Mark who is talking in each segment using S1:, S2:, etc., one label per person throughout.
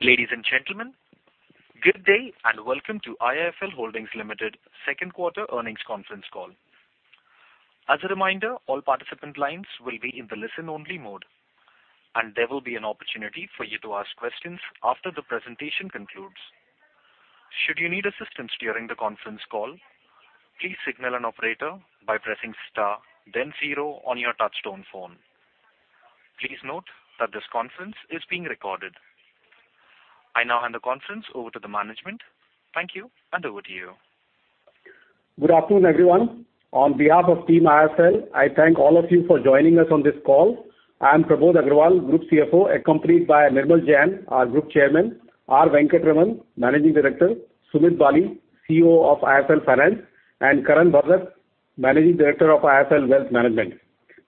S1: Ladies and gentlemen, good day and welcome to IIFL Holdings Limited second quarter earnings conference call. As a reminder, all participant lines will be in the listen only mode, and there will be an opportunity for you to ask questions after the presentation concludes. Should you need assistance during the conference call, please signal an operator by pressing star then zero on your touch-tone phone. Please note that this conference is being recorded. I now hand the conference over to the management. Thank you, and over to you.
S2: Good afternoon, everyone. On behalf of Team IIFL, I thank all of you for joining us on this call. I am Prabodh Agrawal, Group CFO, accompanied by Nirmal Jain, our Group Chairman, R. Venkataraman, Managing Director, Sumit Bali, CEO of IIFL Finance, and Karan Bhagat, Managing Director of IIFL Wealth Management.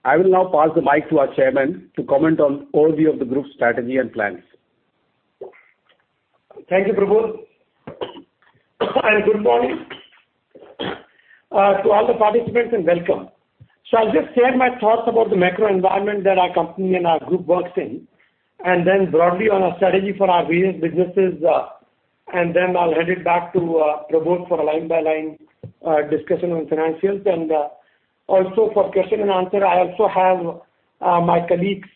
S2: I will now pass the mic to our chairman to comment on overview of the group's strategy and plans.
S3: Thank you, Prabodh. Good morning to all the participants and welcome. I'll just share my thoughts about the macro environment that our company and our group works in and then broadly on our strategy for our various businesses. Then I'll hand it back to Prabodh for a line-by-line discussion on financials and also for question and answer. I also have my colleagues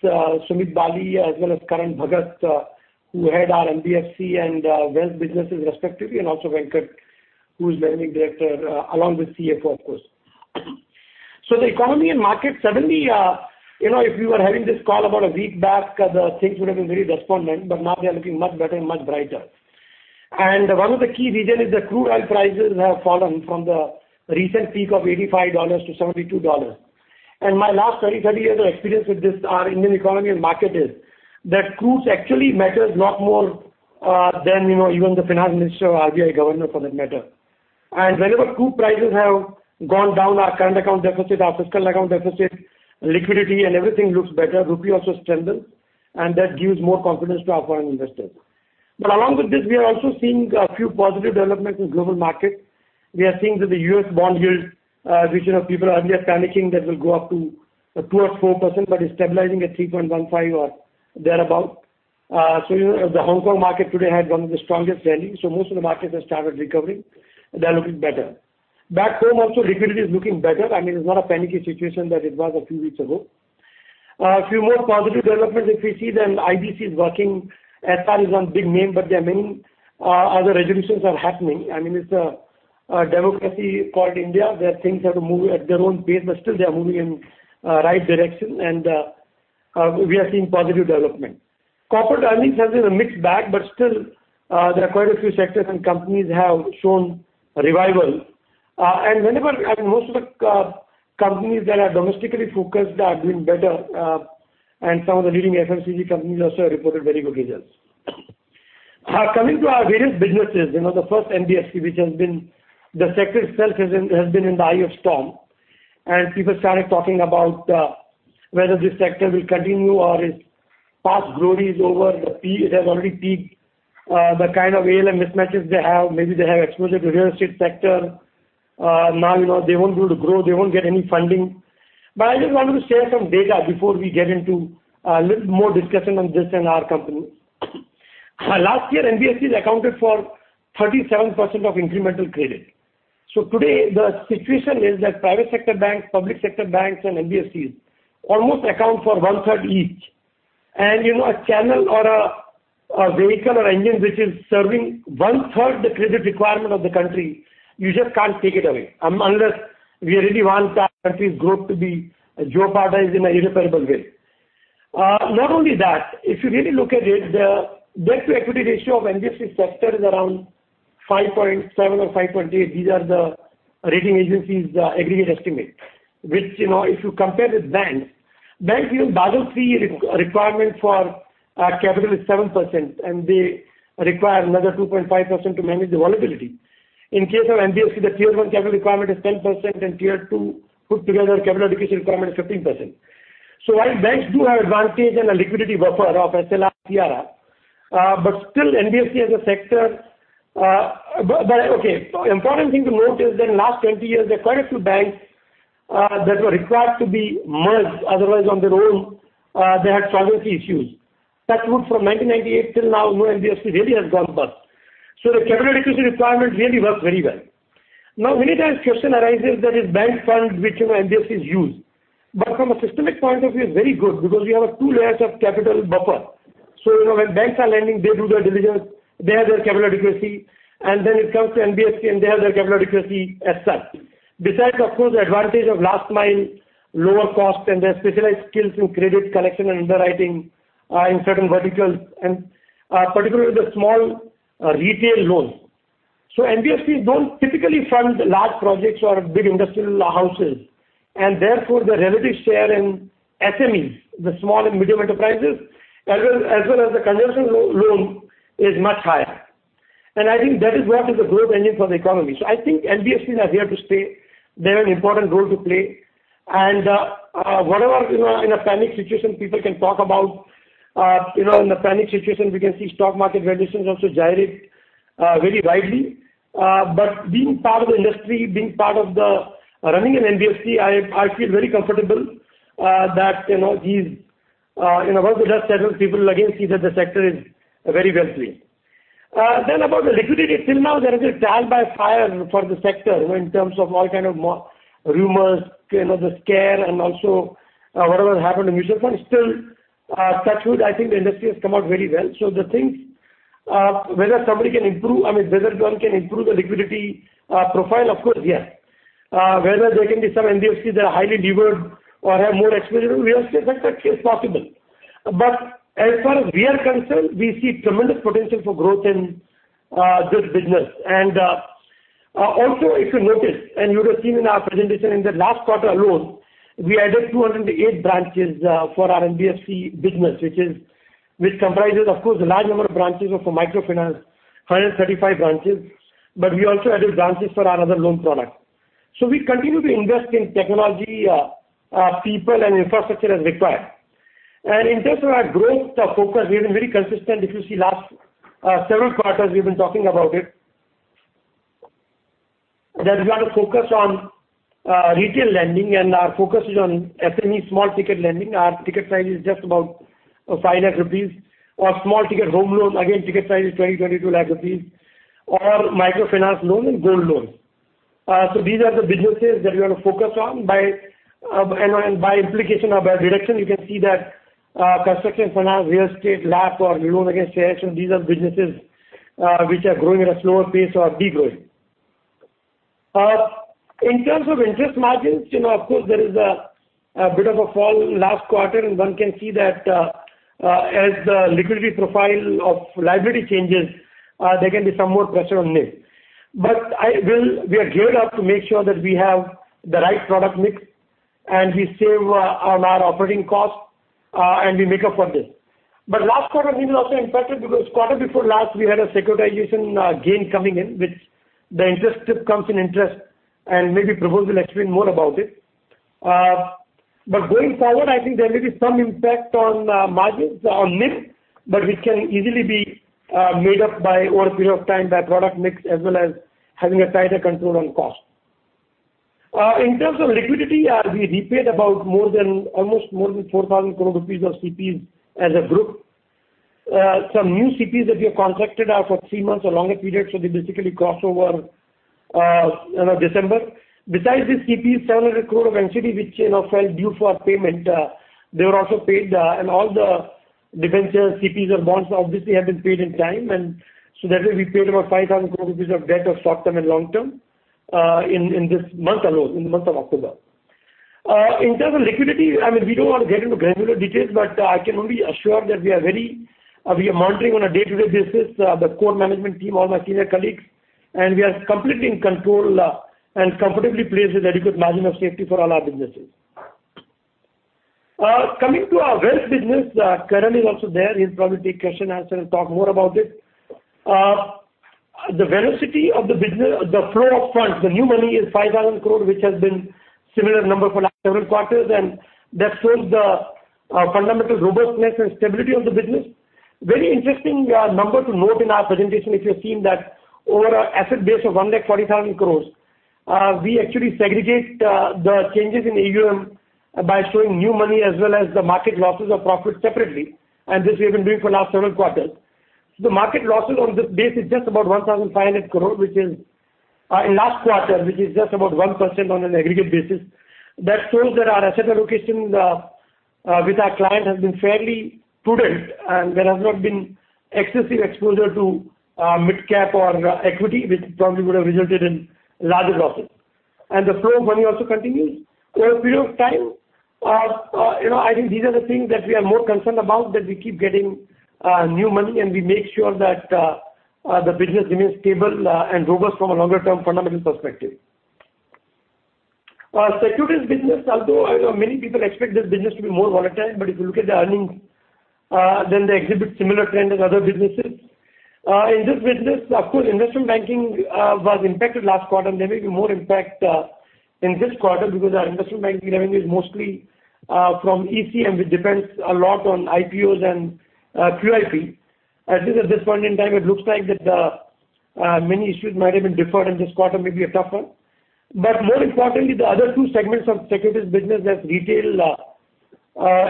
S3: Sumit Bali as well as Karan Bhagat, who head our NBFC and wealth businesses respectively, and also Venkat, who is Managing Director along with CFO, of course. If we were having this call about a week back, the things would have been very despondent, but now they are looking much better and much brighter. One of the key reasons is the crude oil prices have fallen from the recent peak of $85 to $72. My last 30 years of experience with this, our Indian economy and market is, that crude actually matters lot more than even the Finance Minister or RBI Governor for that matter. Whenever crude prices have gone down, our current account deficit, our fiscal account deficit, liquidity, and everything looks better. Rupee also strengthens, and that gives more confidence to our foreign investors. Along with this, we are also seeing a few positive developments in global market. We are seeing that the U.S. bond yields, which people earlier panicking that will go up to 2% or 4%, but is stabilizing at 3.15 or thereabout. The Hong Kong market today had one of the strongest rallies. Most of the markets have started recovering. They're looking better. Back home also, liquidity is looking better. I mean, it's not a panicky situation that it was a few weeks ago. A few more positive developments if we see them, IBC is working. Essar Group is one big name, but there are many other resolutions are happening. I mean, it's a democracy called India, where things have to move at their own pace, but still they are moving in the right direction, we are seeing positive development. Corporate earnings has been a mixed bag, but still there are quite a few sectors and companies have shown revival. Most of the companies that are domestically focused are doing better and some of the leading FMCG companies also have reported very good results. Coming to our various businesses. The first NBFC, which has been the sector itself has been in the eye of storm, people started talking about whether this sector will continue or its past glory is over, it has already peaked. The kind of ALM mismatches they have, maybe they have exposure to real estate sector. Now they won't be able to grow. They won't get any funding. I just wanted to share some data before we get into a little more discussion on this and our company. Last year, NBFCs accounted for 37% of incremental credit. Today the situation is that private sector banks, public sector banks, and NBFCs almost account for one-third each. A channel or a vehicle or engine which is serving one-third the credit requirement of the country, you just can't take it away. Unless we really want our country's growth to be jeopardized in an irreparable way. Not only that, if you really look at it, the debt to equity ratio of NBFC sector is around 5.7 or 5.8. These are the rating agencies' aggregate estimate. Which if you compare with banks use Basel III requirement for capital is 7%, they require another 2.5% to manage the volatility. In case of NBFC, the Tier 1 capital requirement is 10% and Tier 2 put together capital adequacy requirement is 15%. While banks do have advantage and a liquidity buffer of SLR, CRR, but still NBFC as a sector Okay. Important thing to note is that in last 20 years, there are quite a few banks that were required to be merged, otherwise on their own they had solvency issues. Touch wood from 1998 till now, no NBFC really has gone bust. The capital adequacy requirement really works very well. Now, many times question arises that is bank funds which NBFCs use. From a systemic point of view is very good because you have a 2 layers of capital buffer. When banks are lending, they do their diligence, they have their capital adequacy, it comes to NBFC and they have their capital adequacy as such. Besides, of course, the advantage of last mile, lower cost, and their specialized skills in credit collection and underwriting in certain verticals and particularly the small retail loans. NBFCs don't typically fund large projects or big industrial houses, therefore their relative share in SMEs, the small and medium enterprises, as well as the consumer loan is much higher. I think that is what is the growth engine for the economy. I think NBFCs are here to stay. They have an important role to play. Whatever in a panic situation people can talk about. In a panic situation, we can see stock market valuations also gyrates very widely. Being part of the industry, being part of running an NBFC, I feel very comfortable that once the dust settles, people again see that the sector is very well cleaned. About the liquidity, till now there is a trial by fire for the sector in terms of all kind of rumors, the scare and also whatever happened in mutual fund. Still, touch wood, I think the industry has come out very well. The things, whether one can improve the liquidity profile? Of course, yes. Whether there can be some NBFCs that are highly levered or have more exposure to real estate? That is possible. As far as we are concerned, we see tremendous potential for growth in this business. Also, if you notice, and you would have seen in our presentation in the last quarter alone, we added 208 branches for our NBFC business, which comprises, of course, a large number of branches of microfinance, 135 branches, we also added branches for another loan product. We continue to invest in technology, people and infrastructure as required. In terms of our growth focus, we have been very consistent. If you see last several quarters, we've been talking about it. That we want to focus on retail lending and our focus is on SME small ticket lending. Our ticket size is just about 500,000 rupees or small ticket home loans. Again, ticket size is 20 lakh rupees, INR 22 lakh or microfinance loan and gold loan. These are the businesses that we want to focus on. By implication or by deduction, you can see that construction finance, real estate, LAS or loan against securities, these are businesses which are growing at a slower pace or de-growing. In terms of interest margins, of course, there is a bit of a fall last quarter and one can see that as the liquidity profile of liability changes, there can be some more pressure on NIM. We are geared up to make sure that we have the right product mix and we save on our operating cost and we make up for this. Last quarter NIM was also impacted because quarter before last we had a securitization gain coming in, which the interest comes in interest and maybe Prabodh will explain more about it. Going forward, I think there may be some impact on margins or NIM, which can easily be made up by over a period of time by product mix as well as having a tighter control on cost. In terms of liquidity, we repaid about almost more than 4,000 crore rupees of CPs as a group. Some new CPs that we have contracted are for three months or longer period so they basically cross over December. Besides these CPs, 700 crore of NCD, which fell due for payment, they were also paid and all the debentures, CPs and bonds obviously have been paid in time. That way we paid about 5,000 crore rupees of debt of short-term and long-term in this month alone, in the month of October. In terms of liquidity, we don't want to get into granular details but I can only assure that we are monitoring on a day-to-day basis, the core management team, all my senior colleagues and we are completely in control and comfortably placed with adequate margin of safety for all our businesses. Coming to our wealth business, Karan is also there. He'll probably take question and answer and talk more about it. The velocity of the flow of funds, the new money is 5,000 crore which has been similar number for last several quarters and that shows the fundamental robustness and stability of the business. Very interesting number to note in our presentation if you've seen that over asset base of 1,40,000 crore, we actually segregate the changes in AUM by showing new money as well as the market losses or profit separately and this we have been doing for last several quarters. The market losses on this base is just about 1,500 crore in last quarter which is just about 1% on an aggregate basis. That shows that our asset allocation with our client has been fairly prudent and there has not been excessive exposure to mid-cap or equity which probably would have resulted in larger losses and the flow of money also continues over a period of time. I think these are the things that we are more concerned about that we keep getting new money and we make sure that the business remains stable and robust from a longer term fundamental perspective. Securities business, although many people expect this business to be more volatile but if you look at the earnings then they exhibit similar trend as other businesses. In this business, of course, investment banking was impacted last quarter and there may be more impact in this quarter because our investment banking revenue is mostly from ECM which depends a lot on IPOs and QIP. At least at this point in time it looks like that many issues might have been deferred and this quarter may be a tough one. More importantly the other two segments of securities business that's retail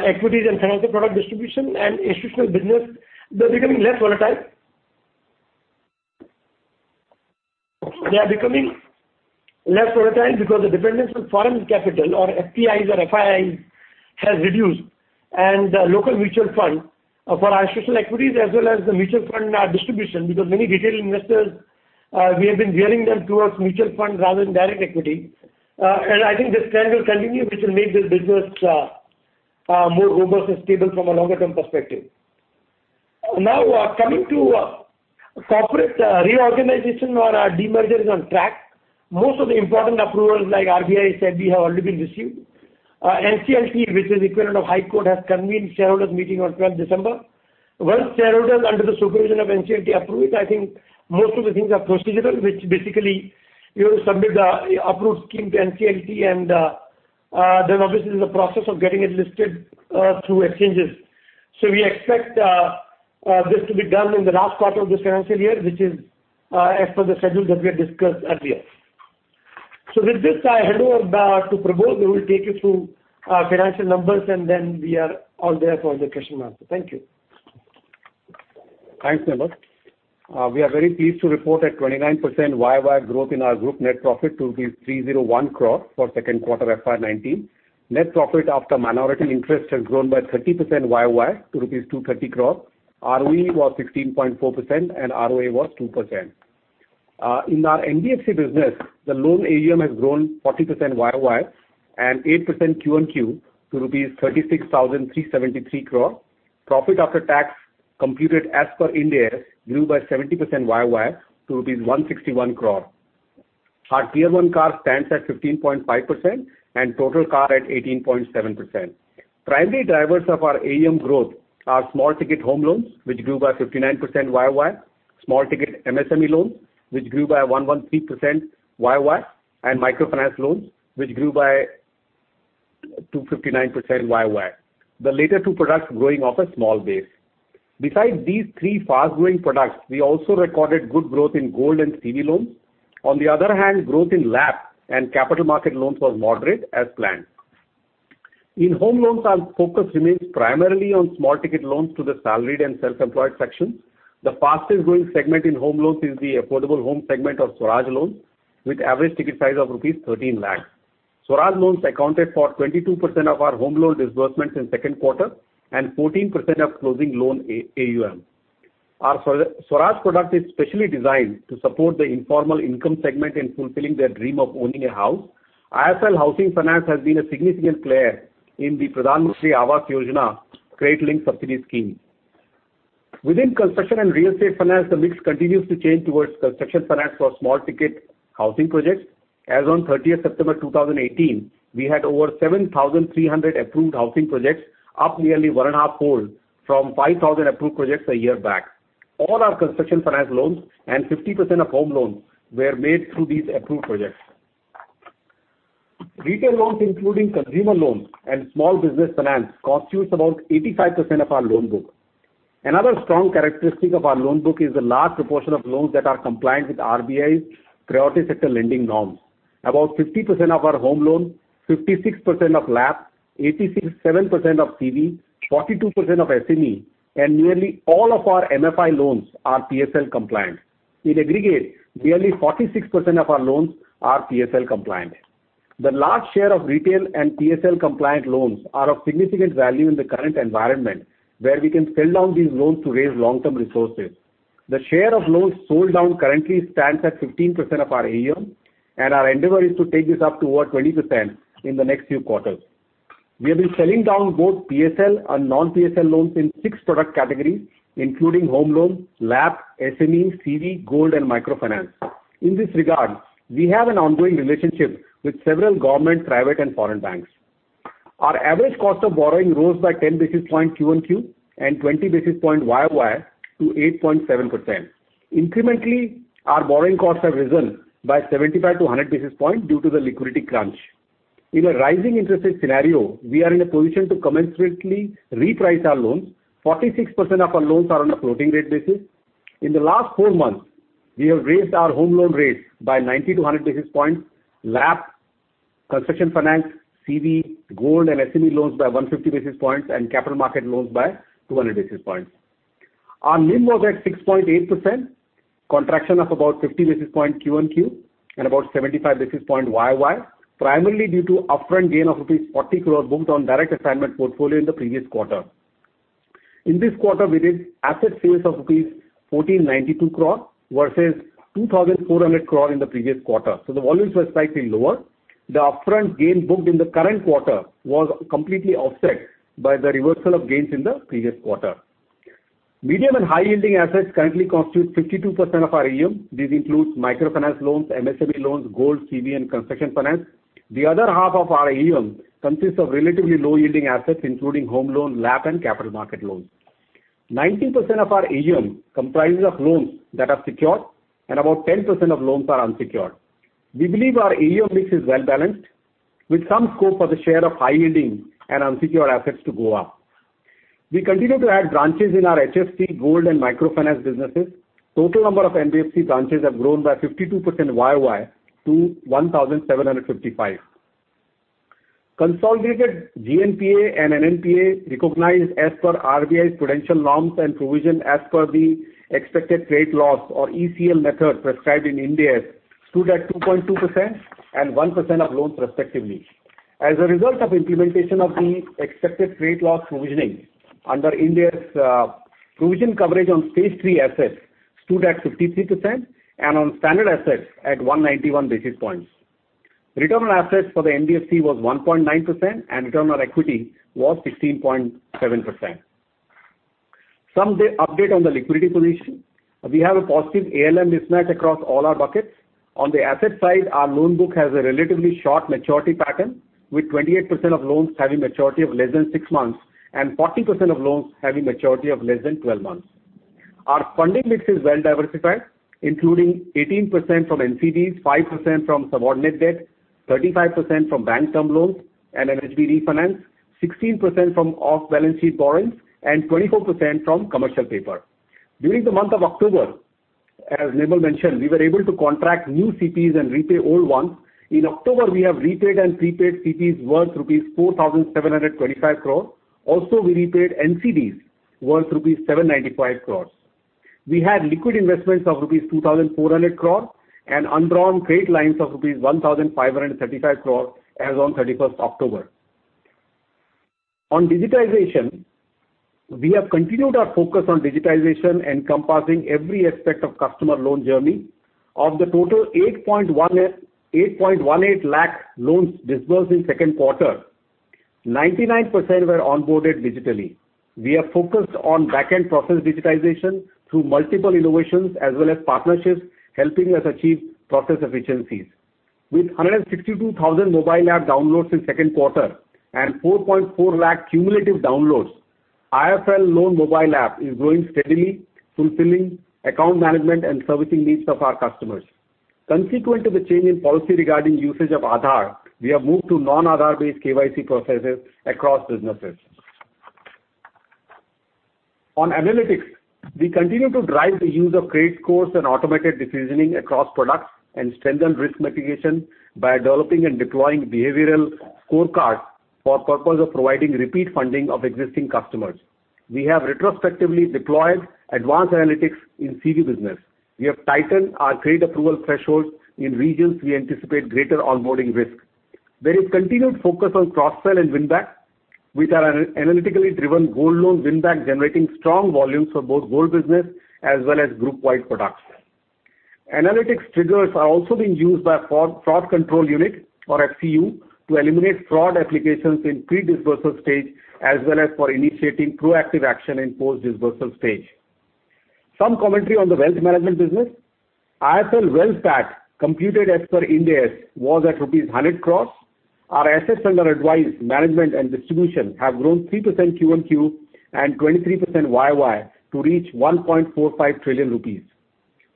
S3: equities and financial product distribution and institutional business, they're becoming less volatile. They are becoming less volatile because the dependence on foreign capital or FPIs or FIIs has reduced and local mutual funds for our institutional equities as well as the mutual fund distribution because many retail investors, we have been gearing them towards mutual funds rather than direct equity and I think this trend will continue which will make this business more robust and stable from a longer term perspective. Coming to corporate reorganization or our demerger is on track. Most of the important approvals like RBI said we have already been received. NCLT which is equivalent of High Court has convened shareholders meeting on 12th December. Once shareholders under the supervision of NCLT approve it, I think most of the things are procedural which basically you submit the approved scheme to NCLT. They're obviously in the process of getting it listed through exchanges. We expect this to be done in the last quarter of this financial year, which is as per the schedule that we have discussed earlier. With this, I hand over back to Prabodh, who will take you through our financial numbers, and then we are all there for the question and answer. Thank you.
S2: Thanks, Nirmal. We are very pleased to report a 29% year-over-year growth in our group net profit to 301 crore for second quarter FY 2019. Net profit after minority interest has grown by 30% year-over-year to rupees 230 crore. ROE was 16.4% and ROA was 2%. In our NBFC business, the loan AUM has grown 40% year-over-year and 8% quarter-over-quarter to rupees 36,373 crore. Profit after tax computed as per Ind AS grew by 70% year-over-year to 161 crore. Our Tier 1 CAR stands at 15.5% and total CAR at 18.7%. Primary drivers of our AUM growth are small ticket home loans, which grew by 59% year-over-year, small ticket MSME loans, which grew by 113% year-over-year, and microfinance loans, which grew by 259% year-over-year. The latter two products growing off a small base. Besides these three fast-growing products, we also recorded good growth in gold and CV loans. Growth in LAP and capital market loans was moderate as planned. In home loans, our focus remains primarily on small ticket loans to the salaried and self-employed sections. The fastest-growing segment in home loans is the affordable home segment of Swaraj loans, with average ticket size of rupees 13 lakhs. Swaraj loans accounted for 22% of our home loan disbursements in second quarter and 14% of closing loan AUM. Our Swaraj product is specially designed to support the informal income segment in fulfilling their dream of owning a house. IIFL Home Finance has been a significant player in the Pradhan Mantri Awas Yojana credit-linked subsidy scheme. Within construction and real estate finance, the mix continues to change towards construction finance for small ticket housing projects. As on 30th September 2018, we had over 7,300 approved housing projects, up nearly one and a half fold from 5,000 approved projects a year back. All our construction finance loans and 50% of home loans were made through these approved projects. Retail loans, including consumer loans and small business finance, constitutes about 85% of our loan book. Another strong characteristic of our loan book is the large proportion of loans that are compliant with RBI's priority sector lending norms. About 50% of our home loan, 56% of LAP, 87% of CV, 42% of SME, and nearly all of our MFI loans are PSL compliant. In aggregate, nearly 46% of our loans are PSL compliant. The large share of retail and PSL-compliant loans are of significant value in the current environment where we can sell down these loans to raise long-term resources. The share of loans sold down currently stands at 15% of our AUM, and our endeavor is to take this up toward 20% in the next few quarters. We have been selling down both PSL and non-PSL loans in 6 product categories, including home loans, LAP, SME, CV, gold, and microfinance. In this regard, we have an ongoing relationship with several government, private, and foreign banks. Our average cost of borrowing rose by 10 basis points QOQ and 20 basis points YOY to 8.7%. Incrementally, our borrowing costs have risen by 75-100 basis points due to the liquidity crunch. In a rising interest rate scenario, we are in a position to commensurately reprice our loans. 46% of our loans are on a floating rate basis. In the last four months, we have raised our home loan rates by 90-100 basis points, LAP, construction finance, CV, gold, and SME loans by 150 basis points, and capital market loans by 200 basis points. Our NIM was at 6.8%, contraction of about 50 basis points QOQ and about 75 basis points YOY, primarily due to upfront gain of rupees 40 crore booked on direct assignment portfolio in the previous quarter. In this quarter, we did asset sales of rupees 1,492 crore versus 2,400 crore in the previous quarter. The volumes were slightly lower. The upfront gain booked in the current quarter was completely offset by the reversal of gains in the previous quarter. Medium and high-yielding assets currently constitute 52% of our AUM. These include microfinance loans, MSME loans, gold, CV, and construction finance. The other half of our AUM consists of relatively low-yielding assets, including home loan, LAP, and capital market loans. 90% of our AUM comprises of loans that are secured and about 10% of loans are unsecured. We believe our AUM mix is well-balanced with some scope for the share of high-yielding and unsecured assets to go up. We continue to add branches in our HFC, gold, and microfinance businesses. Total number of NBFC branches have grown by 52% YOY to 1,755. Consolidated GNPA and NNPA recognized as per RBI's prudential norms and provision as per the expected credit loss or ECL method prescribed in Ind AS stood at 2.2% and 1% of loans respectively. As a result of implementation of the expected credit loss provisioning under Ind AS provision coverage on Stage 3 assets stood at 53% and on standard assets at 191 basis points. Return on assets for the NBFC was 1.9% and return on equity was 16.7%. Some update on the liquidity position. We have a positive ALM mismatch across all our buckets. On the asset side, our loan book has a relatively short maturity pattern with 28% of loans having maturity of less than six months and 40% of loans having maturity of less than 12 months. Our funding mix is well diversified, including 18% from NCDs, 5% from subordinate debt, 35% from bank term loans and NHB refinance, 16% from off-balance sheet borrowings, and 24% from commercial paper. During the month of October, as Nirmal mentioned, we were able to contract new CPs and repay old ones. In October, we have repaid and prepaid CPs worth INR 4,725 crore. Also, we repaid NCDs worth INR 795 crores. We had liquid investments of INR 2,400 crore and undrawn trade lines of INR 1,535 crore as on 31st October. On digitization, we have continued our focus on digitization encompassing every aspect of customer loan journey. Of the total 8.18 lakh loans disbursed in second quarter, 99% were onboarded digitally. We are focused on back-end process digitization through multiple innovations as well as partnerships helping us achieve process efficiencies. With 162,000 mobile app downloads in second quarter and 4.4 lakh cumulative downloads, IIFL Loans mobile app is growing steadily, fulfilling account management and servicing needs of our customers. Consequent to the change in policy regarding usage of Aadhaar, we have moved to non-Aadhaar based KYC processes across businesses. On analytics, we continue to drive the use of credit scores and automated decisioning across products and strengthen risk mitigation by developing and deploying behavioral scorecards for purpose of providing repeat funding of existing customers. We have retrospectively deployed advanced analytics in CV business. We have tightened our trade approval thresholds in regions we anticipate greater onboarding risk. There is continued focus on cross-sell and win-back with our analytically driven gold loan win-back generating strong volumes for both gold business as well as group wide products. Analytics triggers are also being used by Fraud Control Unit or FCU to eliminate fraud applications in pre-disbursement stage, as well as for initiating proactive action in post-disbursement stage. Some commentary on the wealth management business. IIFL Wealth AUM computed as per Ind AS was at rupees 1,40,000 crore. Our assets under advised management and distribution have grown 3% quarter-over-quarter and 23% year-over-year to reach 1.45 trillion rupees.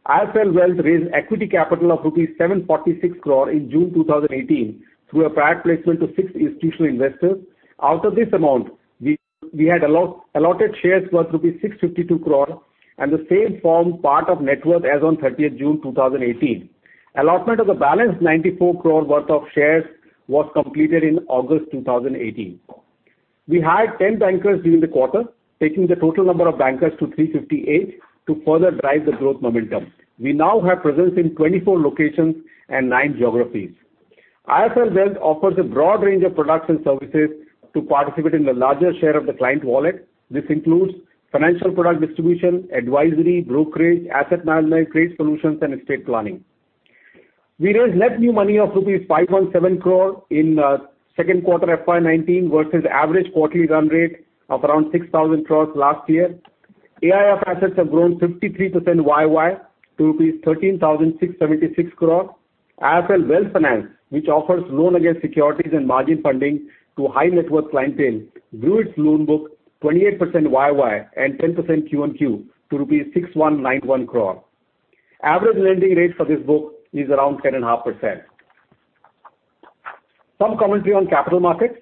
S2: IIFL Wealth raised equity capital of rupees 746 crore in June 2018 through a private placement to six institutional investors. Out of this amount, we had allotted shares worth rupees 652 crore and the same form part of net worth as on 30th June 2018. Allotment of the balance 94 crore worth of shares was completed in August 2018. We hired 10 bankers during the quarter, taking the total number of bankers to 358 to further drive the growth momentum. We now have presence in 24 locations and nine geographies. IIFL Wealth offers a broad range of products and services to participate in the larger share of the client wallet. This includes financial product distribution, advisory, brokerage, asset management, trade solutions and estate planning. We raised net new money of rupees 5.7 crore in second quarter FY 2019 versus average quarterly run rate of around 6,000 crore last year. AIF assets have grown 53% year-over-year to rupees 13,676 crore. IIFL Wealth Finance, which offers loan against securities and margin funding to high net worth clientele, grew its loan book 28% year-over-year and 10% quarter-on-quarter to rupees 6,191 crore. Average lending rates for this book is around 10.5%. Some commentary on capital markets.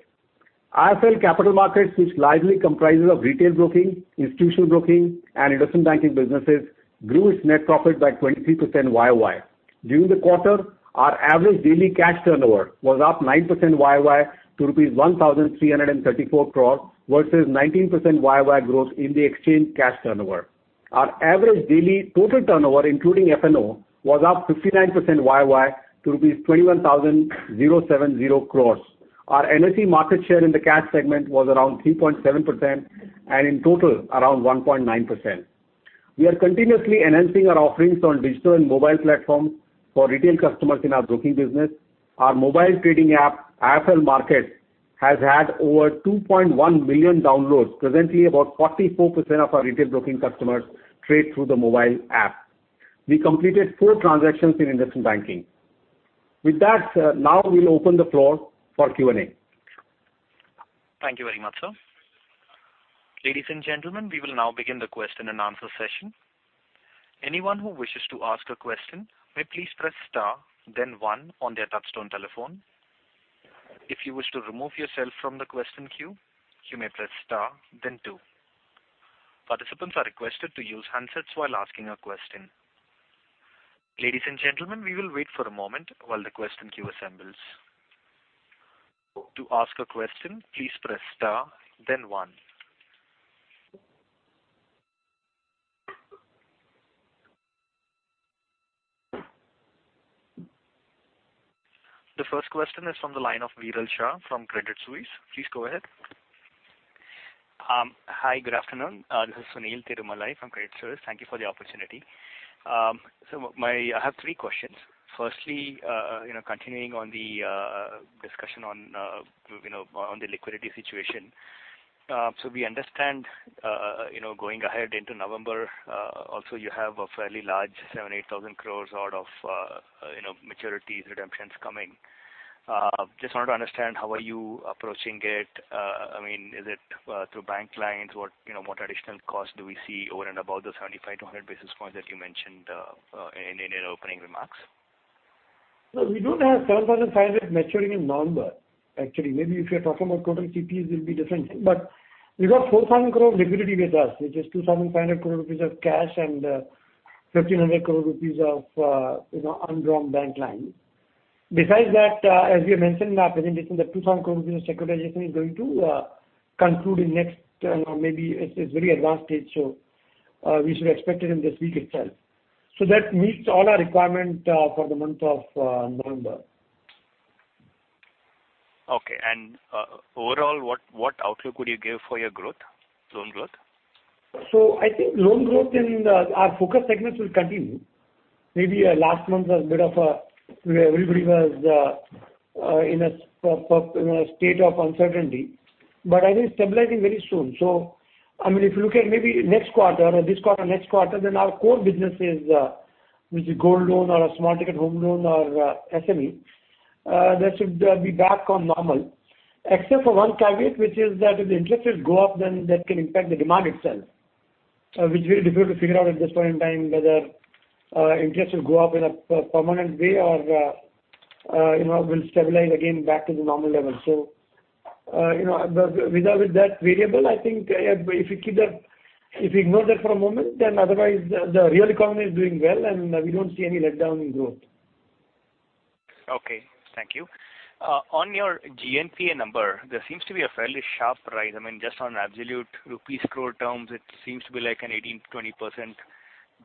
S2: IIFL Capital Markets, which largely comprises of retail broking, institutional broking, and investment banking businesses, grew its net profit by 23% year-over-year. During the quarter, our average daily cash turnover was up 9% year-over-year to rupees 1,334 crore versus 19% year-over-year growth in the exchange cash turnover. Our average daily total turnover including F&O was up 59% year-over-year to rupees 21,070 crore. Our NSE market share in the cash segment was around 3.7% and in total, around 1.9%. We are continuously enhancing our offerings on digital and mobile platforms for retail customers in our broking business. Our mobile trading app, IIFL Markets, has had over 2.1 million downloads. Presently, about 44% of our retail broking customers trade through the mobile app. We completed four transactions in investment banking. With that, now we'll open the floor for Q&A.
S1: Thank you very much, sir. Ladies and gentlemen, we will now begin the question and answer session. Anyone who wishes to ask a question may please press star then one on their touchtone telephone. If you wish to remove yourself from the question queue, you may press star then two. Participants are requested to use handsets while asking a question. Ladies and gentlemen, we will wait for a moment while the question queue assembles. To ask a question, please press star then one. The first question is from the line of Viral Shah from Credit Suisse. Please go ahead.
S4: Hi, good afternoon. This is Sunil Tirumalai from Credit Suisse. Thank you for the opportunity. I have three questions. Firstly, continuing on the discussion on the liquidity situation. We understand, going ahead into November, also you have a fairly large 7,000 crore, 8,000 crore worth of maturities redemptions coming. Just wanted to understand how are you approaching it. Is it through bank clients? What additional cost do we see over and above the 75 to 100 basis points that you mentioned in your opening remarks?
S3: No, we don't have 7,500 maturing in November, actually. Maybe if you're talking about total TP, it will be different. We got 4,000 crore liquidity with us, which is 2,500 crore rupees of cash and 1,500 crore rupees of undrawn bank line. Besides that, as we have mentioned in our presentation, the 2,000 crore rupees of securitization is going to conclude in next, maybe it's very advanced stage, we should expect it in this week itself. That meets all our requirement for the month of November.
S4: Okay. Overall, what outlook would you give for your growth, loan growth?
S3: I think loan growth in our focus segments will continue. Maybe last month was a bit of everybody was in a state of uncertainty. I think stabilizing very soon. If you look at maybe next quarter or this quarter, next quarter, then our core businesses, which is gold loan or small ticket home loan or SME, that should be back on normal. Except for one caveat, which is that if the interest rates go up, then that can impact the demand itself, which will be difficult to figure out at this point in time, whether interest will go up in a permanent way or will stabilize again back to the normal level. With or without that variable, I think if you ignore that for a moment, otherwise the real economy is doing well, and we don't see any letdown in growth.
S4: Okay, thank you. On your GNPA number, there seems to be a fairly sharp rise. Just on absolute rupees crore terms, it seems to be like an 18%, 20%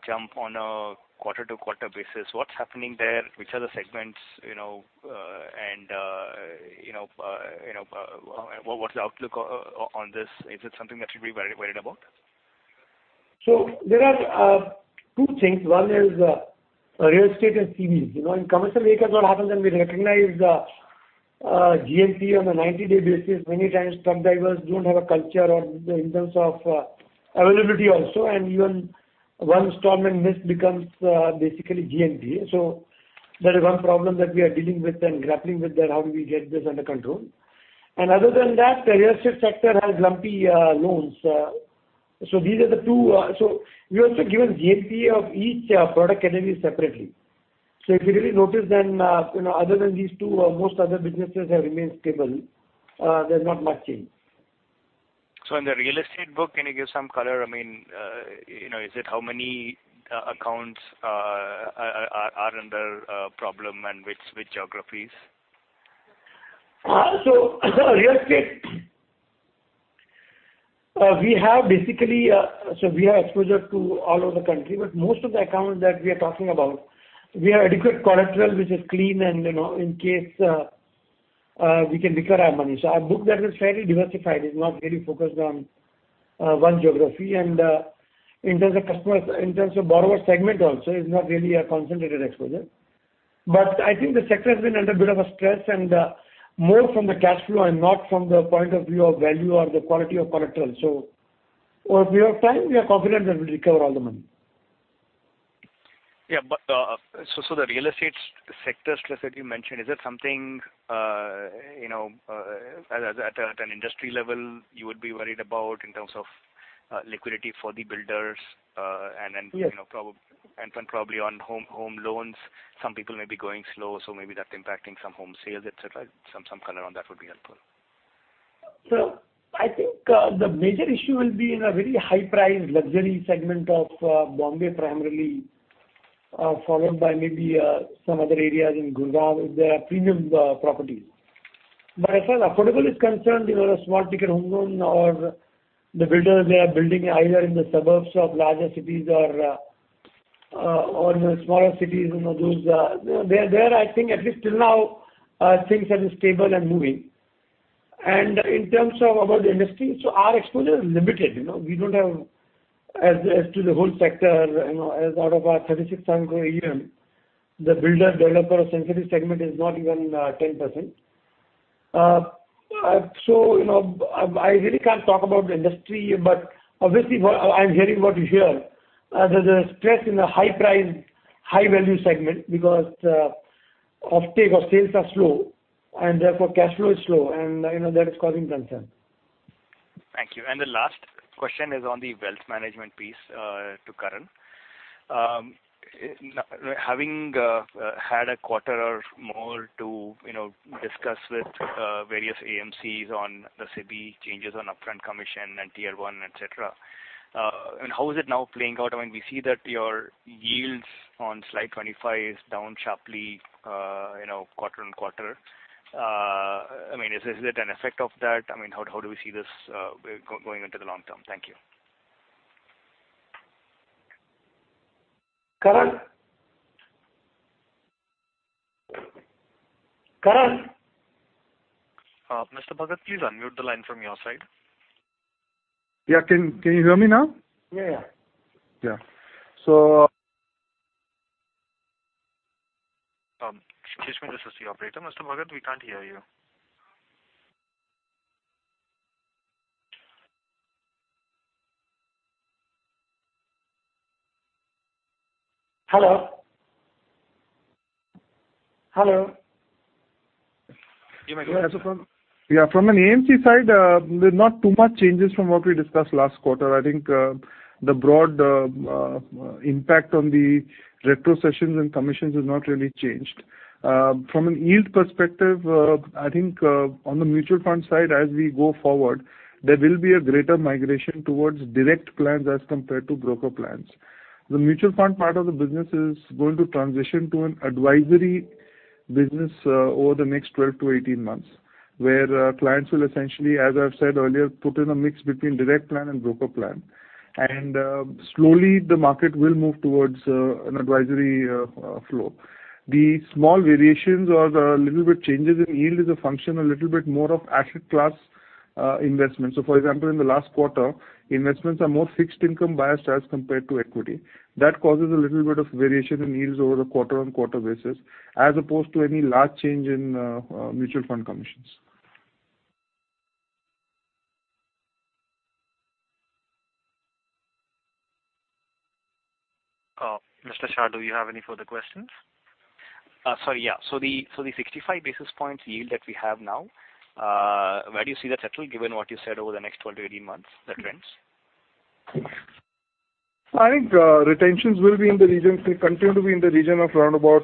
S4: jump on a quarter-to-quarter basis. What's happening there? Which are the segments, and what's the outlook on this? Is it something that should be worried about?
S3: There are two things. One is real estate and CVs. In commercial vehicles, what happens when we recognize GNPA on a 90-day basis, many times truck drivers don't have a culture or in terms of availability also, and even one storm and mist becomes basically GNPA. That is one problem that we are dealing with and grappling with that how do we get this under control. Other than that, the real estate sector has lumpy loans. These are the two. We also give a GNPA of each product category separately. If you really notice, other than these two, most other businesses have remained stable. There's not much change.
S4: In the real estate book, can you give some color? Is it how many accounts are under problem and which geographies?
S3: Real estate. We have exposure to all over the country, but most of the accounts that we are talking about, we have adequate collateral, which is clean and in case we can recover our money. Our book there is fairly diversified, is not really focused on one geography. In terms of borrower segment also, is not really a concentrated exposure. I think the sector has been under a bit of a stress and more from the cash flow and not from the point of view of value or the quality of collateral. Over a period of time, we are confident that we'll recover all the money.
S4: Yeah. The real estate sector stress that you mentioned, is that something at an industry level you would be worried about in terms of liquidity for the builders-
S3: Yes
S4: Probably on home loans, some people may be going slow, maybe that's impacting some home sales, et cetera. Some color on that would be helpful.
S3: I think the major issue will be in a very high price luxury segment of Bombay primarily followed by maybe some other areas in Gurgaon with their premium properties. As far as affordable is concerned, a small ticket home loan or the builders, they are building either in the suburbs of larger cities or in the smaller cities. There I think at least till now things have been stable and moving. In terms of about the industry, our exposure is limited. We don't have as to the whole sector, as out of our 36,000 crore AUM, the builder developer sensitive segment is not even 10%. I really can't talk about the industry, but obviously I'm hearing what you hear. There's a stress in the high price, high value segment because offtake or sales are slow and therefore cash flow is slow and that is causing concern.
S4: Thank you. The last question is on the wealth management piece to Karan. Having had a quarter or more to discuss with various AMCs on the SEBI changes on upfront commission and Tier 1, et cetera. How is it now playing out? We see that your yields on slide 25 is down sharply quarter-on-quarter. Is it an effect of that? How do we see this going into the long term? Thank you.
S3: Karan. Karan.
S1: Mr. Bhagat, please unmute the line from your side.
S5: Yeah. Can you hear me now?
S3: Yeah.
S5: Yeah.
S4: Excuse me just a sec, operator. Mr. Bhagat, we can't hear you. Hello? Hello?
S3: You might go ahead, sir.
S5: From an AMC side there's not too much changes from what we discussed last quarter. I think the broad impact on the retrocessions and commissions has not really changed. From a yield perspective, I think on the mutual fund side as we go forward, there will be a greater migration towards direct plans as compared to broker plans. The mutual fund part of the business is going to transition to an advisory business over the next 12 to 18 months, where clients will essentially, as I've said earlier, put in a mix between direct plan and broker plan. Slowly the market will move towards an advisory flow. The small variations or the little bit changes in yield is a function a little bit more of asset class investment. For example, in the last quarter, investments are more fixed income biased as compared to equity. That causes a little bit of variation in yields over the quarter-on-quarter basis, as opposed to any large change in mutual fund commissions.
S4: Mr. Shah, do you have any further questions? Sorry. Yeah. The 55 basis points yield that we have now, where do you see that settling given what you said over the next 12 to 18 months, the trends?
S5: I think retentions will continue to be in the region of around about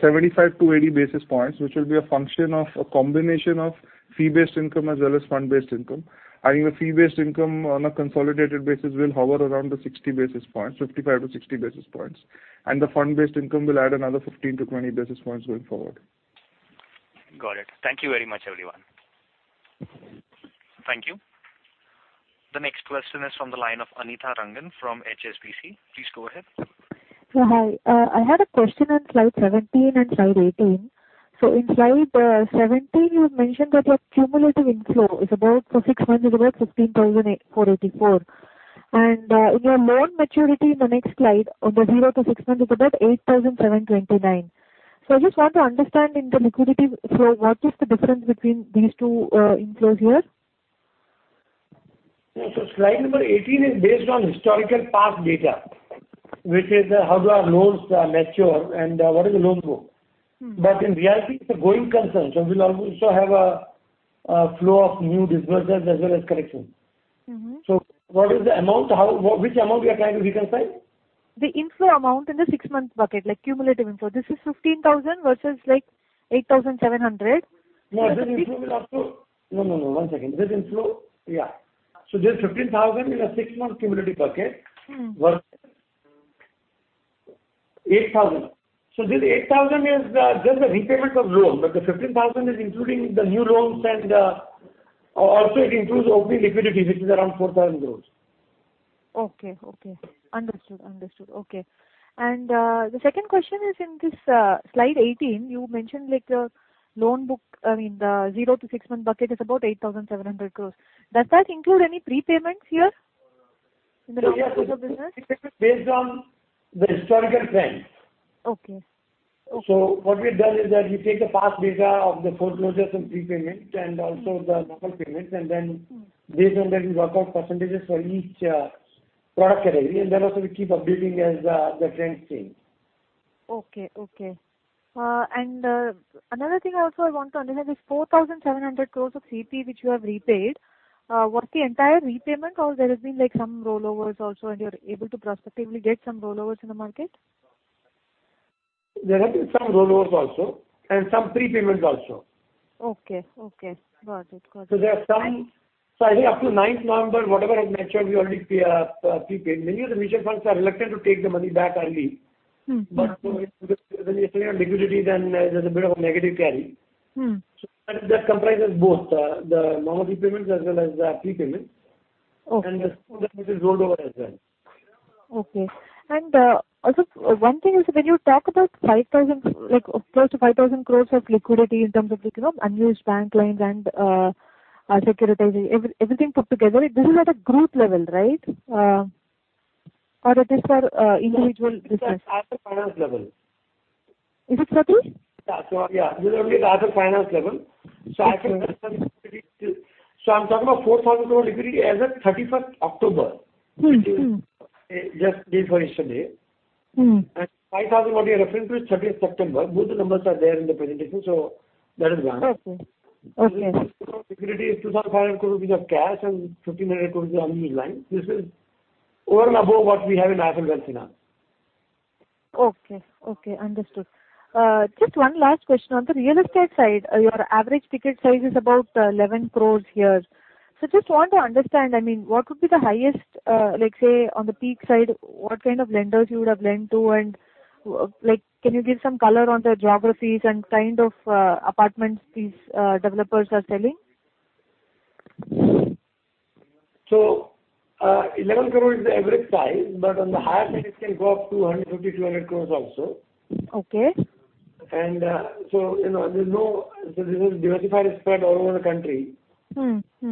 S5: 75 to 80 basis points, which will be a function of a combination of fee-based income as well as fund-based income. I think the fee-based income on a consolidated basis will hover around the 60 basis points, 55 to 60 basis points, and the fund-based income will add another 15 to 20 basis points going forward.
S4: Got it. Thank you very much, everyone.
S1: Thank you. The next question is from the line of Anitha Rangan from HSBC. Please go ahead.
S6: Hi. I had a question on slide 17 and slide 18. In slide 17, you've mentioned that your cumulative inflow is about for six months is about 15,484. In your loan maturity in the next slide on the zero to six months is about 8,729. I just want to understand in the liquidity flow, what is the difference between these two inflows here?
S3: Slide number 18 is based on historical past data, which is how do our loans mature and what is the loan book. In reality, it's a growing concern. We'll also have a flow of new disbursements as well as collections. What is the amount? Which amount we are trying to reconcile?
S6: The inflow amount in the six-month bucket, like cumulative inflow. This is 15,000 versus 8,700.
S3: No, one second. This inflow, yeah. This 15,000 in a six-month cumulative bucket- versus 8,000. This 8,000 is just the repayment of loan, the 15,000 is including the new loans and also it includes opening liquidity, which is around 4,000 crore.
S6: Okay. Understood. Okay. The second question is in this slide 18, you mentioned the loan book, I mean, the zero to six-month bucket is about 8,700 crore. Does that include any prepayments here in the normal course of business?
S3: Based on the historical trend.
S6: Okay.
S3: What we've done is that we take the past data of the foreclosures and prepayment and also the normal payments, based on that we work out percentages for each product category also we keep updating as the trends change.
S6: Okay. Another thing also I want to understand is 4,700 crore of CP, which you have repaid. Was the entire repayment or there has been some rollovers also and you are able to prospectively get some rollovers in the market?
S3: There have been some rollovers also and some prepayments also.
S6: Okay. Got it.
S3: I think up to ninth November, whatever had matured, we already prepaid. Many of the mutual funds are reluctant to take the money back early. When you're sitting on liquidity then there's a bit of a negative carry. That comprises both the normal repayments as well as the prepayments.
S6: Okay.
S3: the rest of that which is rolled over as well.
S6: Okay. also one thing is when you talk about close to 5,000 crore of liquidity in terms of unused bank lines and securitizing, everything put together, this is at a group level, right? Or it is for individual business?
S3: This is at the finance level.
S6: Is it so?
S3: Yeah. This is only at the finance level. I can confirm liquidity. I'm talking about 4,000 crore liquidity as at 31st October. Just day before yesterday. Five thousand what you are referring to is 30th September. Both the numbers are there in the presentation. That is why.
S6: Okay.
S3: This INR 4,000 crore liquidity is INR 2,500 crores worth of cash and INR 1,500 crores is unused line. This is overall above what we have in IIFL Wealth now.
S6: Okay. Understood. Just one last question. On the real estate side, your average ticket size is about 11 crore here. Just want to understand, I mean, what would be the highest, say, on the peak side, what kind of lenders you would have lent to and can you give some color on the geographies and kind of apartments these developers are selling?
S3: Eleven crore is the average size, but on the higher side it can go up to 150-200 crore also.
S6: Okay.
S3: This is diversified, it's spread all over the country. Most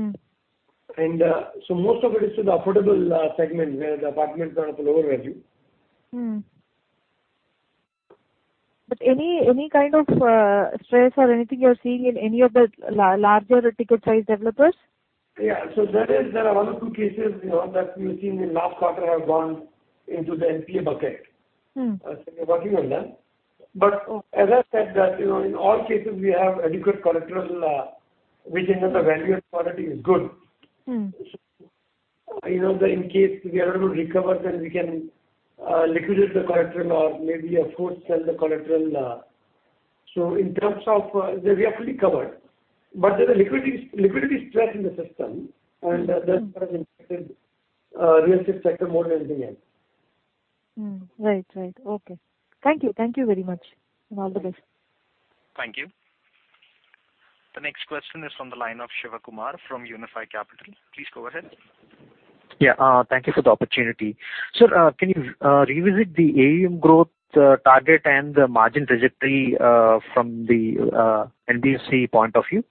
S3: of it is to the affordable segment where the apartments are of lower value.
S6: any kind of stress or anything you're seeing in any of the larger ticket size developers?
S3: Yeah. There are one or two cases that we've seen in last quarter have gone into the NPA bucket. We are working on that. As I said that, in all cases, we have adequate collateral, we think that the value of the collateral is good. In case we are able to recover, then we can liquidate the collateral or maybe of course sell the collateral. We are fully covered, but there's a liquidity stress in the system and that has impacted real estate sector more than anything else.
S6: Mm-hmm. Right. Okay. Thank you very much, and all the best.
S3: Thank you.
S1: The next question is on the line of Shivakumar from Unifi Capital. Please go ahead.
S7: Yeah. Thank you for the opportunity. Sir, can you revisit the AUM growth target and the margin trajectory from the NBFC point of view?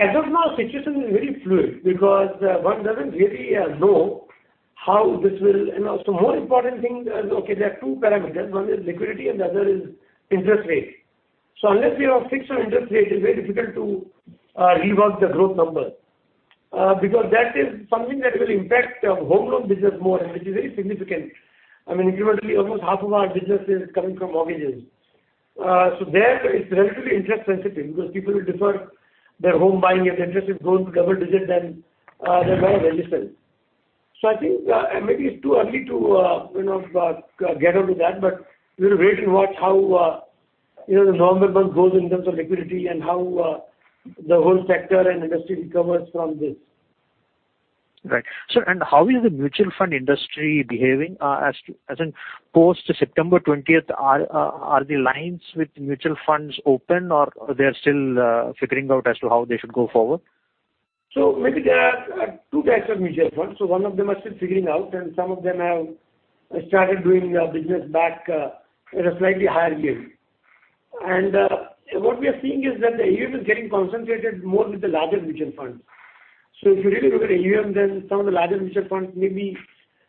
S3: As of now, situation is very fluid because one doesn't really know how this will. More important thing, there are 2 parameters. One is liquidity and the other is interest rate. Unless we have fixed on interest rate, it's very difficult to rework the growth number because that is something that will impact our home loan business more and which is very significant. I mean, currently almost half of our business is coming from mortgages. There it's relatively interest sensitive because people will defer their home buying if the interest rate goes to double-digit then they're very resistant. I think maybe it's too early to get on to that, but we'll wait and watch how the November month goes in terms of liquidity and how the whole sector and industry recovers from this.
S7: Right. Sir, how is the mutual fund industry behaving? As in post September 20th, are the lines with mutual funds open or they're still figuring out as to how they should go forward?
S3: Maybe there are 2 types of mutual funds. One of them are still figuring out and some of them have started doing business back at a slightly higher yield. What we are seeing is that the AUM is getting concentrated more with the larger mutual funds. If you really look at AUM, then some of the larger mutual funds may be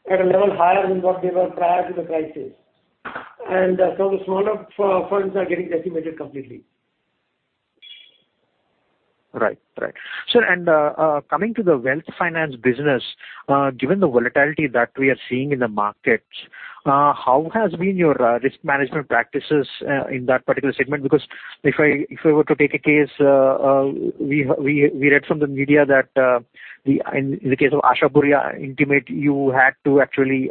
S3: at a level higher than what they were prior to the crisis. Some of the smaller funds are getting decimated completely.
S7: Right. Sir, coming to the wealth finance business, given the volatility that we are seeing in the markets, how has been your risk management practices in that particular segment? Because if I were to take a case, we read from the media that in the case of Ashapura Intimates, you had to actually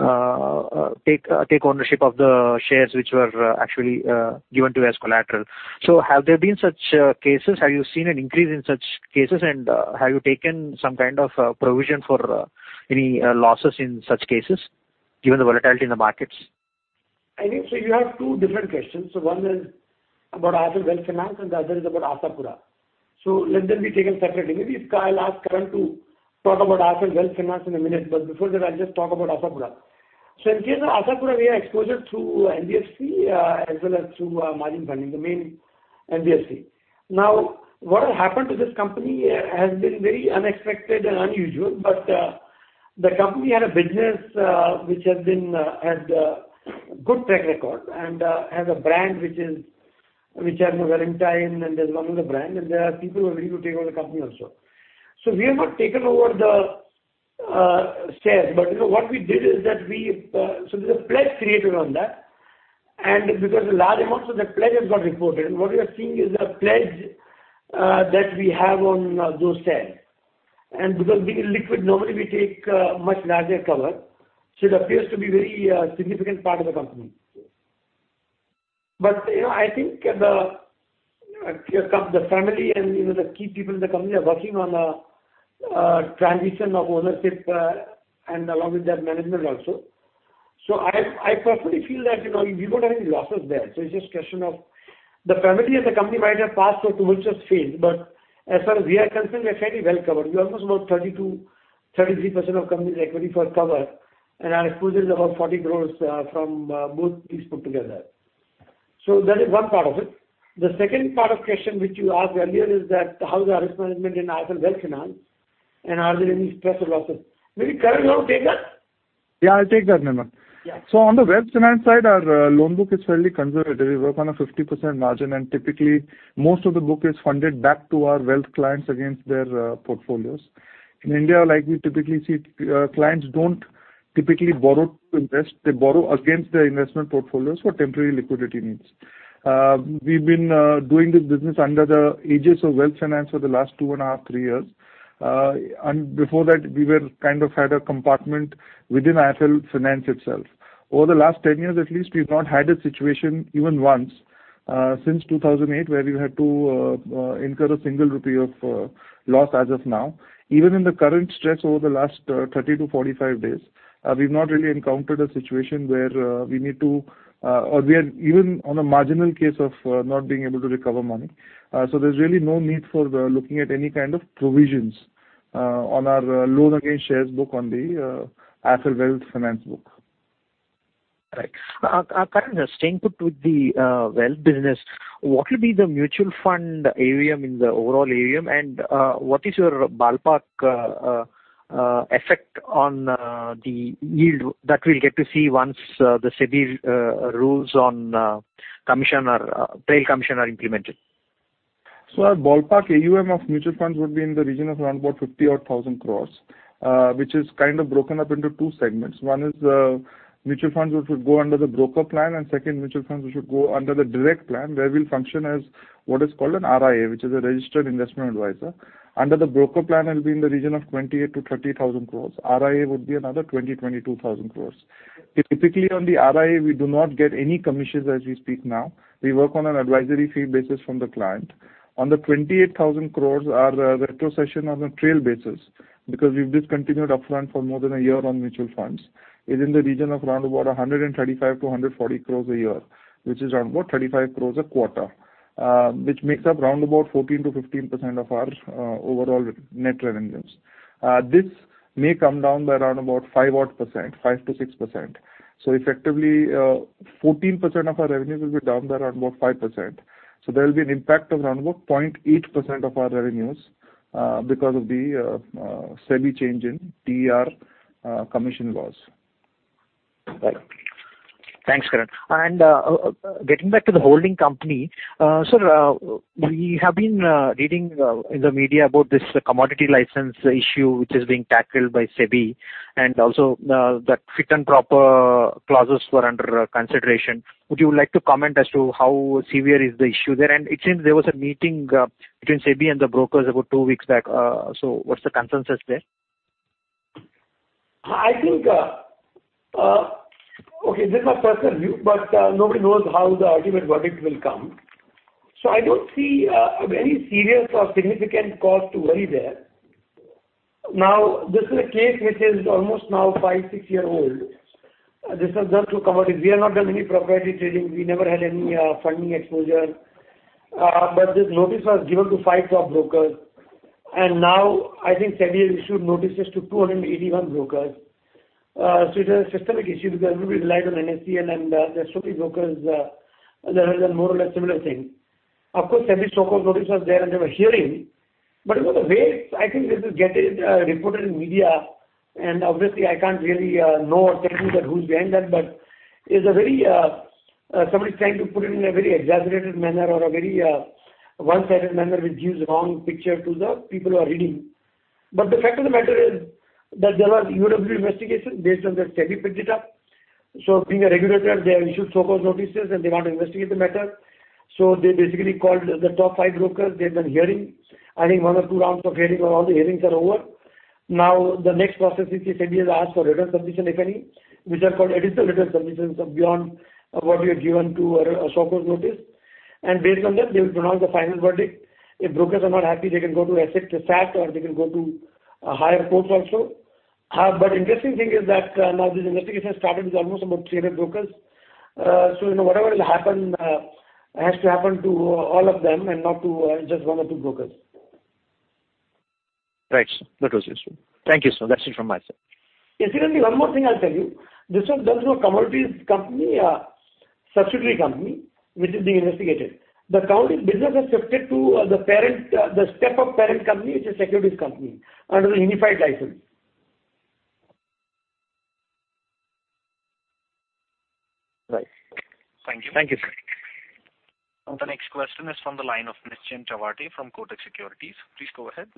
S7: take ownership of the shares which were actually given to you as collateral. Have there been such cases? Have you seen an increase in such cases and have you taken some kind of provision for any losses in such cases given the volatility in the markets?
S3: I think you have two different questions. One is about IIFL Wealth Finance and the other is about Ashapura. Let them be taken separately. Maybe I'll ask Karan to talk about IIFL Wealth Finance in a minute, but before that I'll just talk about Ashapura. In case of Ashapura, we are exposed through NBFC as well as through margin funding, the main NBFC. Now what has happened to this company has been very unexpected and unusual, but the company had a business which had a good track record and has a brand which is Valentine and there's one other brand, and there are people who are willing to take over the company also. We have not taken over the shares, but what we did is that we there's a pledge created on that and because a large amount of the pledge has got reported and what we are seeing is a pledge that we have on those shares. Because being liquid, normally we take much larger cover, so it appears to be very significant part of the company. I think the family and the key people in the company are working on a transition of ownership and along with that management also. I personally feel that we don't have any losses there. It's just question of the family and the company might have passed or to which has failed, but as far as we are concerned, we are fairly well covered. We almost about 32%, 33% of company's equity for cover and our exposure is about 40 from both these put together. That is one part of it. The second part of question which you asked earlier is that how is our risk management in IIFL Wealth Finance and are there any stress or losses? Maybe Karan, you want to take that?
S5: Yeah, I'll take that, Nirmal.
S3: Yeah.
S5: On the wealth finance side, our loan book is fairly conservative. We work on a 50% margin and typically most of the book is funded back to our wealth clients against their portfolios. In India, we typically see, clients don't typically borrow to invest. They borrow against their investment portfolios for temporary liquidity needs. We've been doing this business under the aegis of wealth finance for the last two and a half, three years. Before that we kind of had a compartment within IIFL Finance itself. Over the last 10 years at least we've not had a situation even once since 2008 where we had to incur a single INR of loss as of now. Even in the current stress over the last 30 to 45 days, we've not really encountered a situation where we need to or we are even on a marginal case of not being able to recover money. There's really no need for looking at any kind of provisions on our loan against securities book on the IIFL Wealth Finance book.
S7: Right. Karan, staying put with the wealth business, what will be the mutual fund AUM in the overall AUM and what is your ballpark effect on the yield that we'll get to see once the SEBI rules on trail commission are implemented?
S5: Our ballpark AUM of mutual funds would be in the region of around about 50,000 crores, which is kind of broken up into two segments. One is mutual funds, which would go under the broker plan, and second, mutual funds which would go under the direct plan, where we'll function as what is called an RIA, which is a registered investment advisor. Under the broker plan, it'll be in the region of 28,000-30,000 crores. RIA would be another 20,000-22,000 crores. Typically, on the RIA, we do not get any commissions as we speak now. We work on an advisory fee basis from the client. On the 28,000 crore, our retrocession on a trail basis, because we've discontinued upfront for more than a year on mutual funds, is in the region of around about 135 crore-140 crore a year, which is around about 35 crore a quarter. Which makes up around about 14%-15% of our overall net revenues. This may come down by around about 5-odd%, 5%-6%. Effectively, 14% of our revenue will be down by around about 5%. There'll be an impact of around about 0.8% of our revenues because of the SEBI change in TR commission laws.
S7: Right. Thanks, Karan. Getting back to the holding company. Sir, we have been reading in the media about this commodity license issue, which is being tackled by SEBI, and also that fit and proper clauses were under consideration. Would you like to comment as to how severe is the issue there? It seems there was a meeting between SEBI and the brokers about two weeks back. What's the consensus there?
S3: I think Okay, this is my personal view, nobody knows how the ultimate verdict will come. I don't see a very serious or significant cause to worry there. This is a case which is almost now five, six years old. This was done through commodities. We have not done any proprietary trading. We never had any funding exposure. This notice was given to five top brokers. I think SEBI has issued notices to 281 brokers. It is a systemic issue because everybody relies on NSE and the SEBI brokers, they have done more or less similar thing. Of course, SEBI show-cause notice was there and there was hearing. The way I think this is getting reported in media, obviously I can't really know or tell you that who's behind that, somebody's trying to put it in a very exaggerated manner or a very one-sided manner, which gives the wrong picture to the people who are reading. The fact of the matter is that there was EOW investigation based on that SEBI picked it up. Being a regulator, they have issued show-cause notices, they want to investigate the matter. They basically called the top five brokers. They've been hearing, I think one or two rounds of hearing and all the hearings are over. The next process is, SEBI has asked for written submission, if any, which are called additional written submissions beyond what we have given to a show-cause notice. Based on that, they will pronounce the final verdict. If brokers are not happy, they can go to SAT or they can go to higher courts also. Interesting thing is that now this investigation started with almost about 300 brokers. Whatever will happen, has to happen to all of them and not to just one or two brokers.
S7: Right. That was useful. Thank you, sir. That's it from my side.
S3: Yes, Shivakumar, one more thing I'll tell you. This was done through a commodities subsidiary company, which is being investigated. The commodities business has shifted to the step-up parent company, which is securities company, under the unified license.
S7: Right.
S3: Thank you.
S7: Thank you, sir.
S1: The next question is from the line of Mr. Chetan Chavate from Kotak Securities. Please go ahead.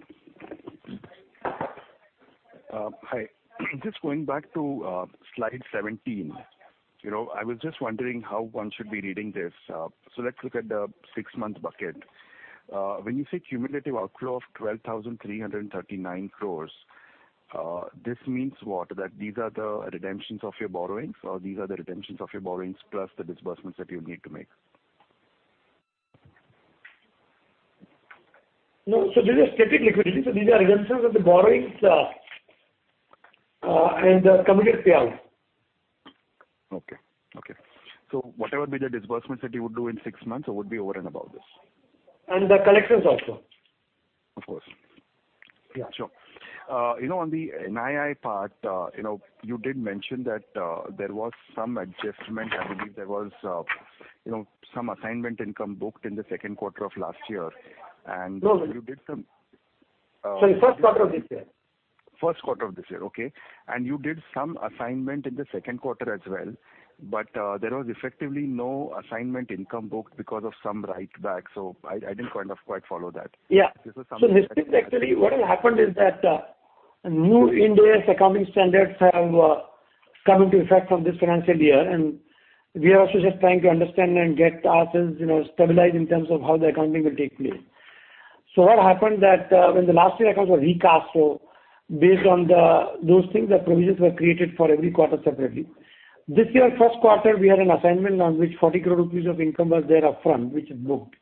S8: Hi. Just going back to slide 17. I was just wondering how one should be reading this. Let's look at the six-month bucket. When you say cumulative outflow of 12,339 crores, this means what? That these are the redemptions of your borrowings, or these are the redemptions of your borrowings plus the disbursements that you need to make?
S3: No. These are static liquidity. These are redemptions of the borrowings and committed payouts.
S8: Okay. Whatever be the disbursements that you would do in six months would be over and above this.
S3: The collections also.
S8: Of course.
S3: Yeah.
S8: Sure. On the NII part, you did mention that there was some adjustment. I believe there was some assignment income booked in the second quarter of last year.
S3: Sorry, first quarter of this year.
S8: First quarter of this year. Okay. You did some assignment in the second quarter as well, but there was effectively no assignment income booked because of some write-back. I didn't kind of quite follow that.
S3: Yeah.
S8: This is something.
S3: Historically, what has happened is that new Indian Accounting Standards have come into effect from this financial year, and we are also just trying to understand and get ourselves stabilized in terms of how the accounting will take place. What happened that when the last year accounts were recast, based on those things, the provisions were created for every quarter separately. This year, first quarter, we had an assignment on which 40 crore rupees of income was there upfront, which is booked.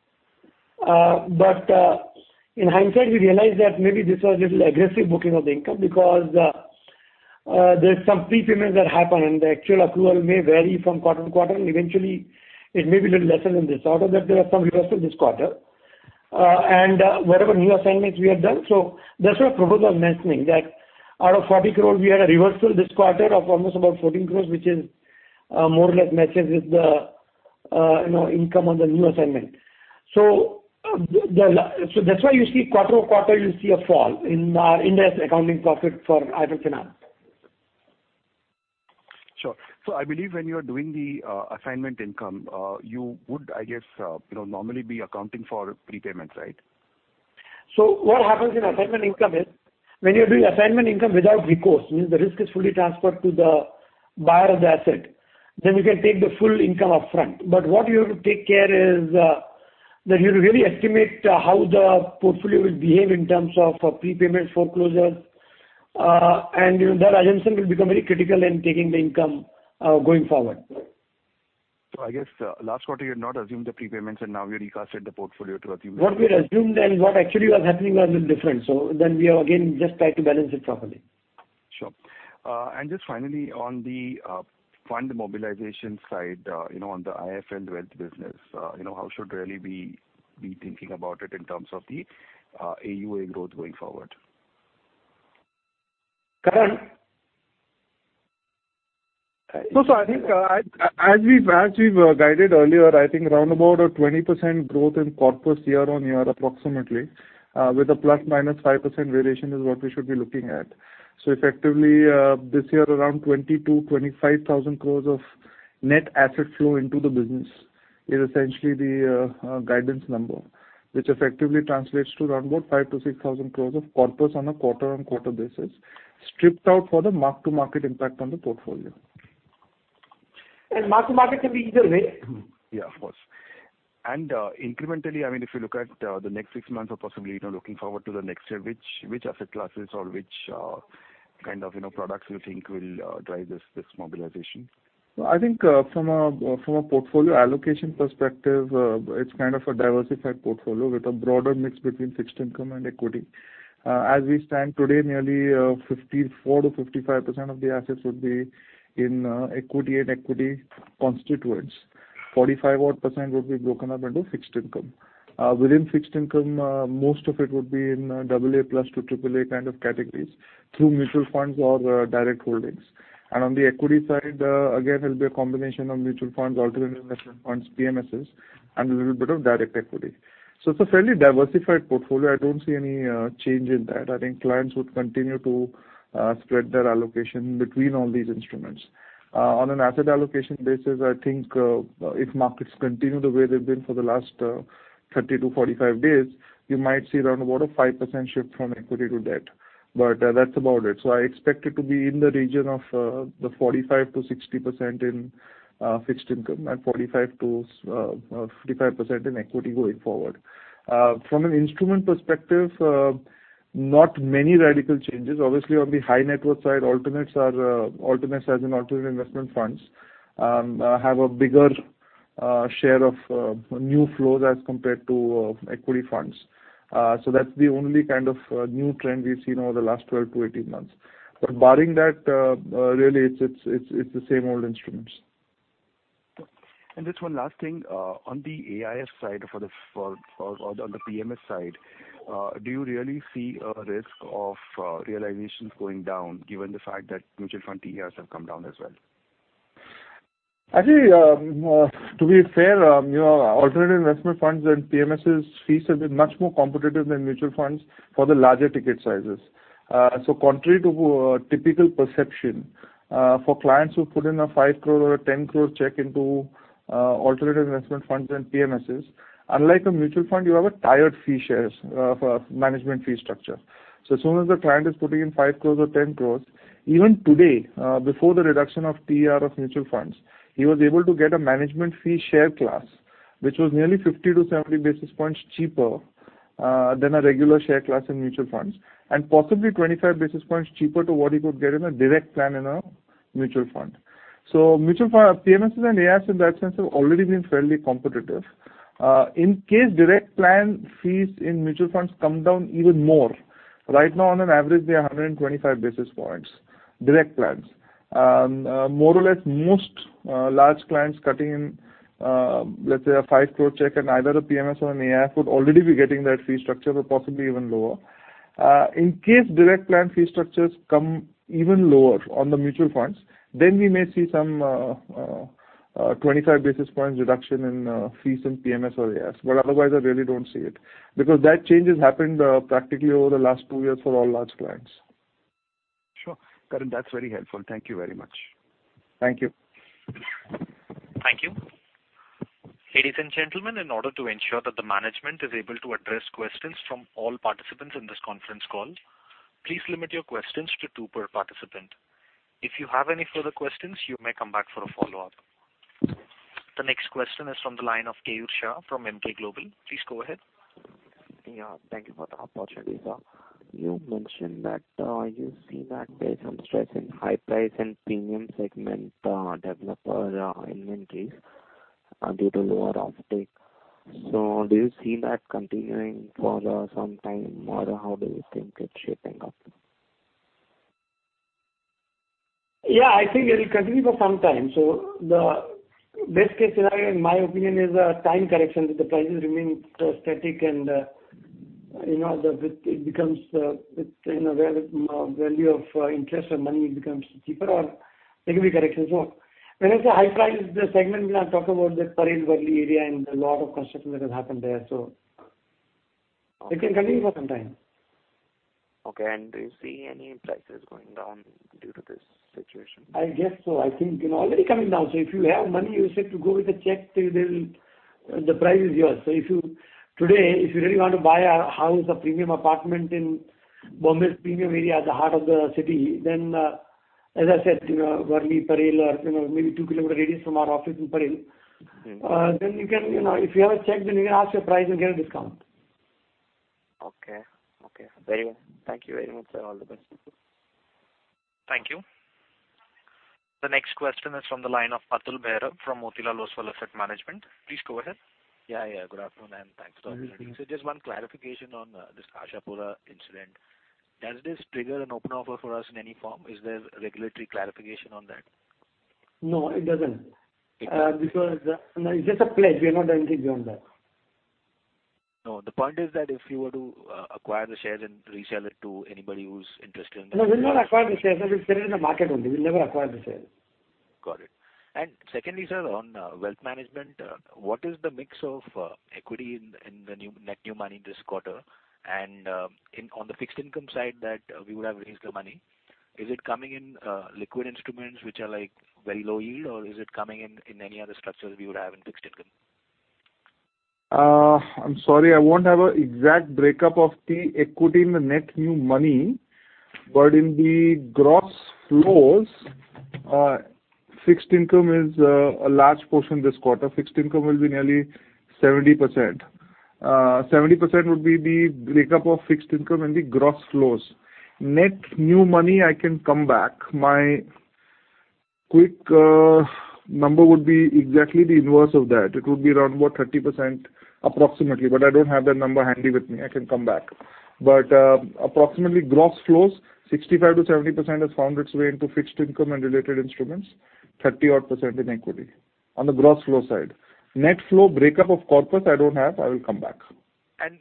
S3: In hindsight, we realized that maybe this was a little aggressive booking of the income because there's some prepayments that happen, and the actual accrual may vary from quarter to quarter, and eventually it may be little lesser than this. Out of that, there are some reversals this quarter. Whatever new assignments we have done. That's what Prabodh was mentioning, that out of 40 crore, we had a reversal this quarter of almost about 14 crore, which is more or less matches with the income on the new assignment. That's why you see quarter-on-quarter, you see a fall in our Ind AS accounting profit for IIFL Finance.
S8: I believe when you are doing the assignment income, you would, I guess, normally be accounting for prepayments, right?
S3: What happens in assignment income is when you're doing assignment income without recourse, means the risk is fully transferred to the buyer of the asset, then you can take the full income upfront. What you have to take care is that you really estimate how the portfolio will behave in terms of prepayments, foreclosures, and that assumption will become very critical in taking the income going forward.
S8: I guess last quarter you had not assumed the prepayments and now you recast the portfolio to assume.
S3: What we had assumed and what actually was happening was different. We are again just trying to balance it properly.
S8: Sure. Just finally on the fund mobilization side, on the IIFL Wealth business, how should really be thinking about it in terms of the AUA growth going forward?
S3: Karan?
S5: I think as we've guided earlier, around about a 20% growth in corpus year-on-year approximately, with a ±5% variation is what we should be looking at. Effectively, this year around 20,000 crores-25,000 crores of net asset flow into the business is essentially the guidance number, which effectively translates to around about 5,000 crores-6,000 crores of corpus on a quarter-on-quarter basis, stripped out for the mark to market impact on the portfolio.
S3: Mark to market can be either way.
S8: Yeah, of course. Incrementally, if you look at the next 6 months or possibly looking forward to the next year, which asset classes or which kind of products you think will drive this mobilization?
S5: I think from a portfolio allocation perspective, it's kind of a diversified portfolio with a broader mix between fixed income and equity. As we stand today, nearly 54%-55% of the assets would be in equity and equity constituents. 45% odd would be broken up into fixed income. Within fixed income, most of it would be in AA+ to AAA kind of categories through mutual funds or direct holdings. On the equity side, again, it'll be a combination of mutual funds, alternative investment funds, PMSs, and a little bit of direct equity. It's a fairly diversified portfolio. I don't see any change in that. I think clients would continue to spread their allocation between all these instruments. On an asset allocation basis, I think if markets continue the way they've been for the last 30 to 45 days, you might see around about a 5% shift from equity to debt, but that's about it. I expect it to be in the region of the 45%-60% in fixed income and 45%-55% in equity going forward. From an instrument perspective, not many radical changes. Obviously, on the high net worth side, alternates as an alternative investment funds have a bigger share of new flows as compared to equity funds. That's the only kind of new trend we've seen over the last 12 to 18 months. Barring that, really it's the same old instruments.
S8: Just one last thing, on the AIF side or on the PMS side, do you really see a risk of realizations going down given the fact that mutual fund TRs have come down as well?
S5: To be fair, alternative investment funds and PMSs fees have been much more competitive than mutual funds for the larger ticket sizes. Contrary to typical perception, for clients who put in a 5 crore or a 10 crore check into alternative investment funds and PMSs, unlike a mutual fund, you have a tiered fee shares of management fee structure. As soon as the client is putting in 5 crores or 10 crores, even today, before the reduction of TR of mutual funds, he was able to get a management fee share class, which was nearly 50 to 70 basis points cheaper than a regular share class in mutual funds, and possibly 25 basis points cheaper to what he would get in a direct plan in a mutual fund. PMSs and AIFs in that sense have already been fairly competitive. In case direct plan fees in mutual funds come down even more, right now on an average they are 125 basis points, direct plans. More or less most large clients cutting in, let's say a 5 crore check in either a PMS or an AIF would already be getting that fee structure but possibly even lower. In case direct plan fee structures come even lower on the mutual funds, then we may see some 25 basis points reduction in fees in PMS or AIFs. Otherwise I really don't see it because that change has happened practically over the last two years for all large clients.
S8: Sure. Karan, that's very helpful. Thank you very much.
S5: Thank you.
S1: Thank you. Ladies and gentlemen, in order to ensure that the management is able to address questions from all participants in this conference call, please limit your questions to two per participant. If you have any further questions, you may come back for a follow-up. The next question is from the line of Keyur Shah from Emkay Global. Please go ahead.
S9: Yeah, thank you for the opportunity, sir. You mentioned that you see that there's some stress in high price and premium segment developer inventories due to lower offtake. Do you see that continuing for some time, or how do you think it's shaping up?
S3: Yeah, I think it will continue for some time. The best case scenario in my opinion is a time correction that the prices remain static and the value of interest or money becomes cheaper or there could be correction. When I say high price segment, I'm talking about the Parel, Worli area and a lot of construction that has happened there. It can continue for some time.
S9: Okay. Do you see any prices going down due to this situation?
S3: I guess so. I think it's already coming down. If you have money, you're set to go with the check, the price is yours. Today, if you really want to buy a house, a premium apartment in Bombay's premium area at the heart of the city, then as I said, Worli, Parel, or maybe two-kilometer radius from our office in Parel. If you have a check, then you can ask your price and get a discount.
S9: Okay. Very well. Thank you very much, sir. All the best.
S1: Thank you. The next question is from the line of Atul Mehra from Motilal Oswal Asset Management. Please go ahead.
S10: Yeah. Good afternoon. Thanks for the opportunity. Just one clarification on this Ashapura incident. Does this trigger an open offer for us in any form? Is there regulatory clarification on that?
S3: No, it doesn't. It's just a pledge. We are not doing anything beyond that.
S10: No. The point is that if you were to acquire the shares and resell it to anybody who's interested.
S3: We'll not acquire the shares. We sell it in the market only. We'll never acquire the shares.
S10: Got it. Secondly, sir, on wealth management, what is the mix of equity in the net new money this quarter and on the fixed income side that we would have released the money. Is it coming in liquid instruments which are very low yield or is it coming in any other structures we would have in fixed income?
S5: I'm sorry, I won't have an exact breakup of the equity in the net new money. In the gross flows, fixed income is a large portion this quarter. Fixed income will be nearly 70%. 70% would be the breakup of fixed income and the gross flows. Net new money, I can come back. My quick number would be exactly the inverse of that. It would be around about 30% approximately, but I don't have that number handy with me. I can come back. Approximately gross flows, 65%-70% has found its way into fixed income and related instruments, 30-odd% in equity on the gross flow side. Net flow breakup of corpus, I don't have. I will come back.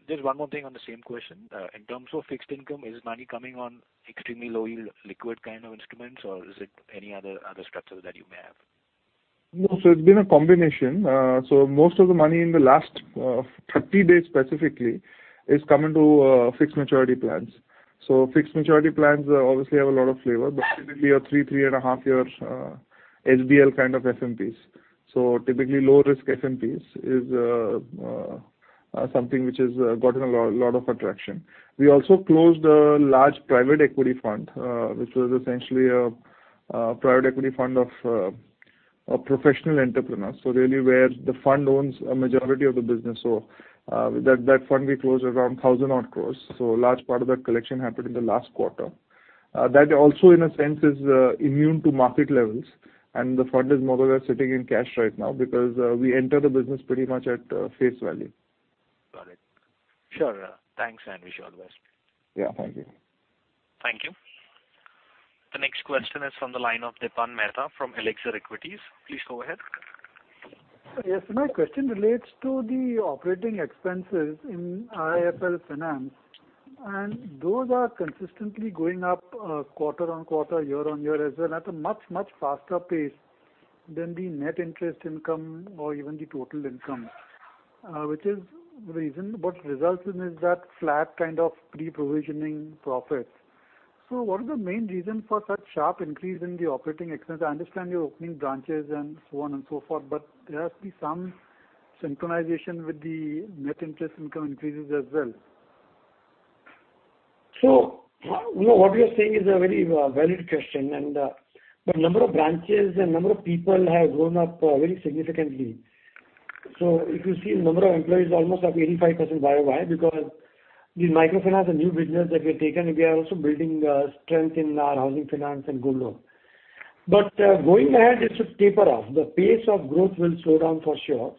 S10: Just one more thing on the same question. In terms of fixed income, is money coming on extremely low yield liquid kind of instruments or is it any other structures that you may have?
S5: No. It's been a combination. Most of the money in the last 30 days specifically is coming to fixed maturity plans. Fixed maturity plans obviously have a lot of flavor. Typically your three and a half year HBL kind of FMPs. Typically low risk FMPs is something which has gotten a lot of attraction. We also closed a large private equity fund, which was essentially a private equity fund of professional entrepreneurs. Really where the fund owns a majority of the business. That fund we closed around 1,000 odd crores. A large part of that collection happened in the last quarter. That also in a sense is immune to market levels and the fund is more or less sitting in cash right now because we enter the business pretty much at face value.
S10: Got it. Sure. Thanks, Anish. All the best.
S5: Yeah, thank you.
S1: Thank you. The next question is from the line of Dipan Mehta from Elixir Equities. Please go ahead.
S11: Yes. My question relates to the operating expenses in IIFL Finance and those are consistently going up quarter-on-quarter, year-on-year as well at a much, much faster pace than the net interest income or even the total income. What results in is that flat kind of pre-provisioning profits. What is the main reason for such sharp increase in the operating expense? I understand you're opening branches and so on and so forth, but there has to be some synchronization with the net interest income increases as well.
S3: What you're saying is a very valid question and the number of branches and number of people have grown up very significantly. If you see the number of employees almost up 85% year-on-year because the microfinance and new business that we've taken and we are also building strength in our housing finance and gold loan. Going ahead it should taper off. The pace of growth will slow down for sure.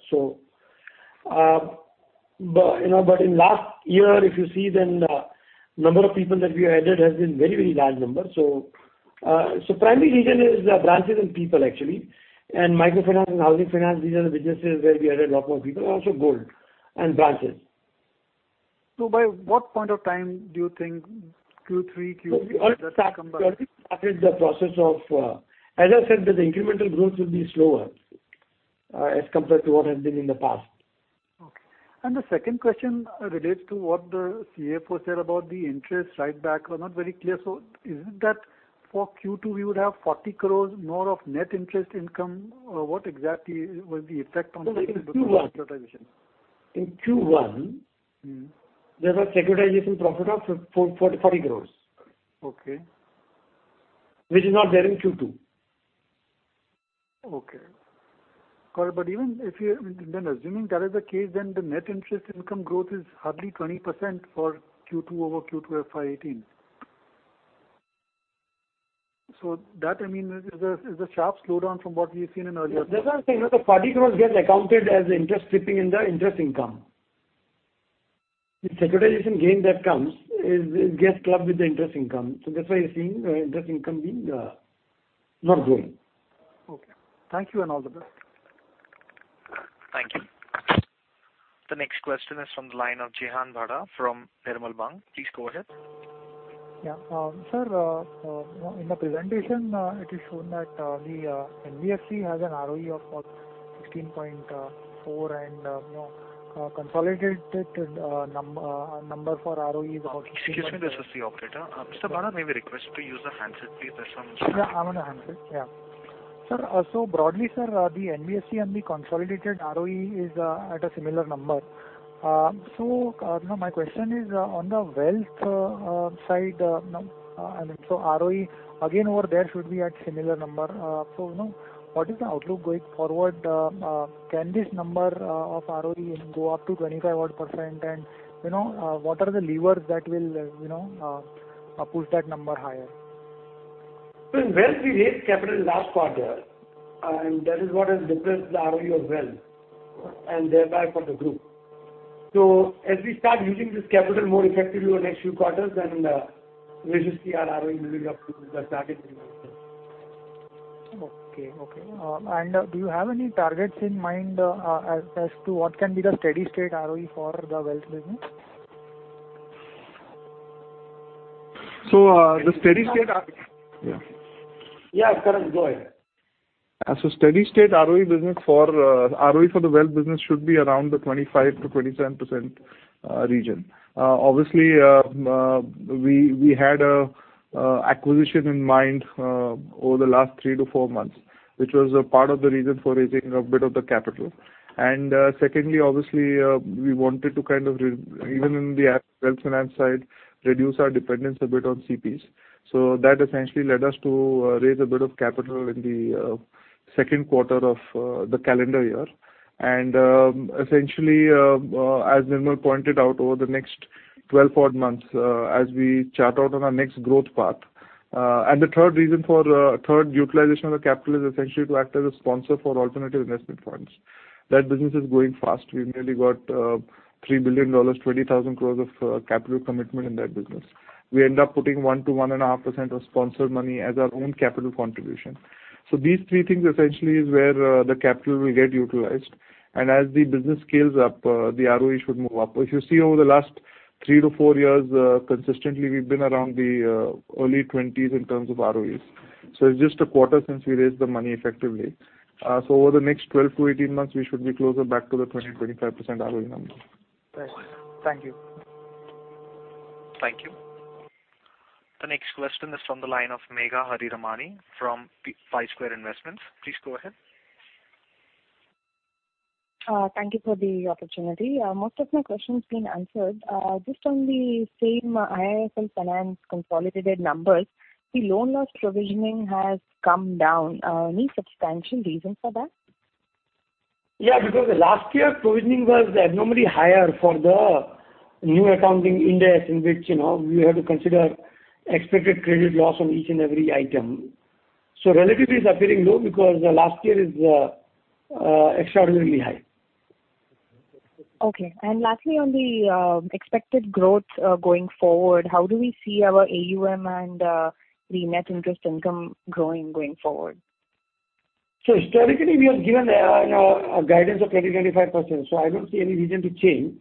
S3: In last year, if you see then number of people that we added has been very, very large numbers. Primary reason is branches and people actually, and microfinance and housing finance, these are the businesses where we added a lot more people and also gold and branches.
S11: By what point of time do you think Q3, Q4 that will come back?
S3: As I said, the incremental growth will be slower as compared to what has been in the past.
S11: Okay. The second question relates to what the CFO said about the interest write-back. I am not very clear. Isn't that for Q2 we would have 40 crores more of net interest income? What exactly was the effect on securitization?
S3: No, in Q1 there was a securitization profit of 40 crores.
S11: Okay.
S3: Which is not there in Q2.
S11: Okay. Even if you then assuming that is the case then the net interest income growth is hardly 20% for Q2 over Q2 FY 2018. That, I mean, is a sharp slowdown from what we've seen in earlier quarters.
S3: That's what I'm saying. The 40 crore gets accounted as interest flipping in the interest income. The securitization gain that comes gets clubbed with the interest income. That's why you're seeing interest income being not growing.
S11: Okay. Thank you and all the best.
S1: Thank you. The next question is from the line of Jehan Bhana from B&K Securities. Please go ahead.
S12: Yeah. Sir, in the presentation, it is shown that the NBFC has an ROE of about 16.4 and consolidated number for ROE is about.
S1: Excuse me. This is the operator. Mr. Bhana, may we request to use the handset, please?
S12: Yeah, I'm on a handset. Sir, broadly, sir, the NBFC and the consolidated ROE is at a similar number. My question is on the wealth side, ROE again over there should be at similar number. What is the outlook going forward? Can this number of ROE go up to 25% odd? What are the levers that will push that number higher?
S3: In Wealth we raised capital last quarter, and that is what has depressed the ROE of Wealth, and thereby for the group. As we start using this capital more effectively over the next few quarters, judiciously our ROE moving up to the target.
S12: Okay. Do you have any targets in mind as to what can be the steady state ROE for the Wealth business?
S5: The steady state-
S3: Yeah, Karan, go ahead.
S5: Steady state ROE for the Wealth business should be around the 25%-27% region. Obviously, we had acquisition in mind over the last three to four months, which was a part of the reason for raising a bit of the capital. Secondly, obviously, we wanted to kind of, even in the Wealth Finance side, reduce our dependence a bit on CPs. That essentially led us to raise a bit of capital in the second quarter of the calendar year. Essentially, as Nirmal pointed out, over the next 12 odd months, as we chart out on our next growth path. The third utilization of the capital is essentially to act as a sponsor for alternative investment funds. That business is growing fast. We've nearly got INR 3 billion, 20,000 crores of capital commitment in that business. We end up putting 1%-1.5% of sponsored money as our own capital contribution. These three things essentially is where the capital will get utilized. As the business scales up, the ROE should move up. If you see over the last three to four years, consistently, we've been around the early twenties in terms of ROEs. It's just a quarter since we raised the money effectively. Over the next 12-18 months, we should be closer back to the 20%-25% ROE number.
S12: Right. Thank you.
S1: Thank you. The next question is from the line of Megha Hariramani from Pi Square Investments. Please go ahead.
S13: Thank you for the opportunity. Most of my question's been answered. Just on the same IIFL Finance consolidated numbers, the loan loss provisioning has come down. Any substantial reason for that?
S3: Yeah, because last year provisioning was abnormally higher for the new accounting index in which we had to consider expected credit loss on each and every item. Relatively it's appearing low because last year is extraordinarily high.
S13: Okay. Lastly, on the expected growth going forward, how do we see our AUM and the net interest income growing going forward?
S3: Historically we have given a guidance of 20%-25%. I don't see any reason to change.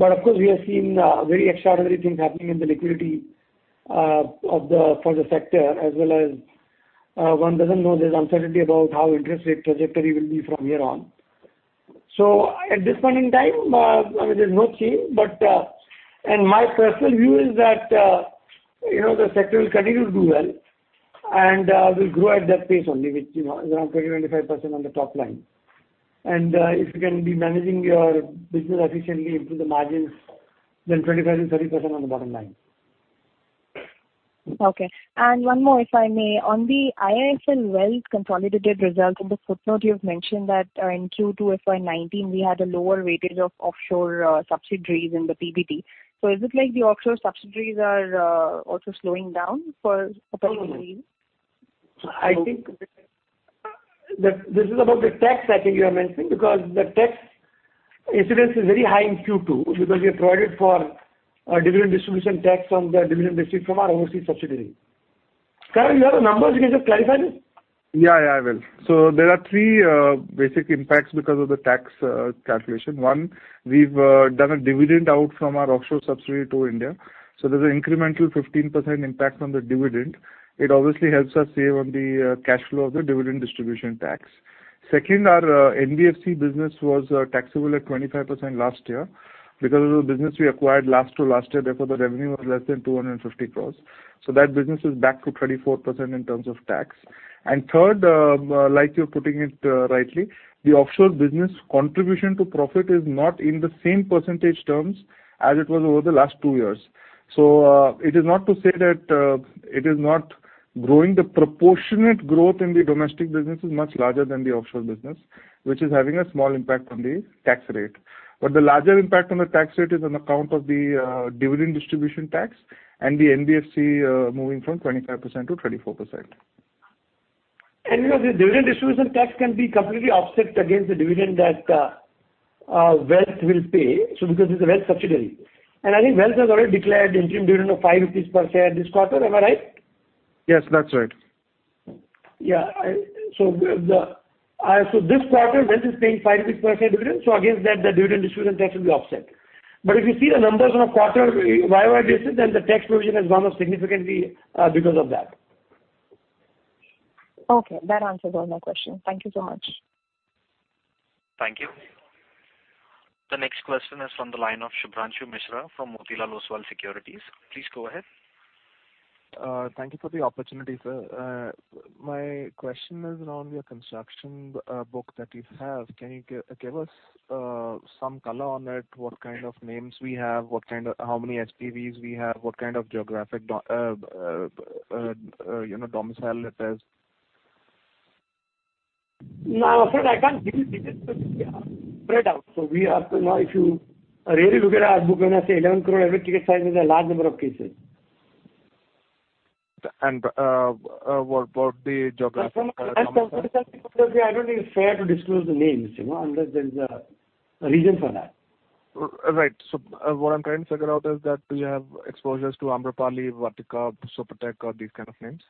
S3: Of course, we have seen very extraordinary things happening in the liquidity for the sector as well as one doesn't know there's uncertainty about how interest rate trajectory will be from here on. At this point in time, there's no change, my personal view is that the sector will continue to do well and will grow at that pace only, which is around 20%-25% on the top line. If you can be managing your business efficiently into the margins, then 25%-30% on the bottom line.
S13: Okay. One more, if I may. On the IIFL Wealth consolidated results, in the footnote you have mentioned that in Q2 FY 2019 we had a lower weightage of offshore subsidiaries in the PBT. Is it like the offshore subsidiaries are also slowing down for a particular reason?
S3: I think this is about the tax, I think you are mentioning because the tax incidence is very high in Q2 because we have provided for dividend distribution tax from the dividend received from our overseas subsidiary. Karan, you have the numbers, you can just clarify this.
S5: Yeah, I will. There are three basic impacts because of the tax calculation. One, we've done a dividend out from our offshore subsidiary to India, there's an incremental 15% impact on the dividend. It obviously helps us save on the cash flow of the dividend distribution tax. Second, our NBFC business was taxable at 25% last year because of the business we acquired last to last year, therefore, the revenue was less than 250 crores. That business is back to 24% in terms of tax. Third, like you're putting it rightly, the offshore business contribution to profit is not in the same percentage terms as it was over the last two years. It is not to say that it is not growing. The proportionate growth in the domestic business is much larger than the offshore business, which is having a small impact on the tax rate. The larger impact on the tax rate is on account of the dividend distribution tax and the NBFC moving from 25% to 24%.
S3: The dividend distribution tax can be completely offset against the dividend that Wealth will pay because it's a Wealth subsidiary. I think Wealth has already declared interim dividend of 5 rupees per share this quarter. Am I right?
S5: Yes, that's right.
S3: Yeah. This quarter, Rent is paying 5% dividend, against that, the dividend distribution tax will be offset. If you see the numbers on a quarter YOY basis, the tax provision has gone up significantly because of that.
S13: Okay, that answers all my questions. Thank you so much.
S1: Thank you. The next question is from the line of Shubhranshu Mishra from Motilal Oswal Securities. Please go ahead.
S14: Thank you for the opportunity, sir. My question is around your construction book that you have. Can you give us some color on it? What kind of names we have? How many SPVs we have? What kind of geographic domicile it is?
S3: No, sir, I can't give you details because they are spread out. If you really look at our book, when I say 11 crore average ticket size is a large number of cases.
S14: What about the geographic-
S3: I don't think it's fair to disclose the names, unless there is a reason for that.
S14: Right. What I'm trying to figure out is that do you have exposures to Amrapali, Vatika, Supertech, or these kind of names?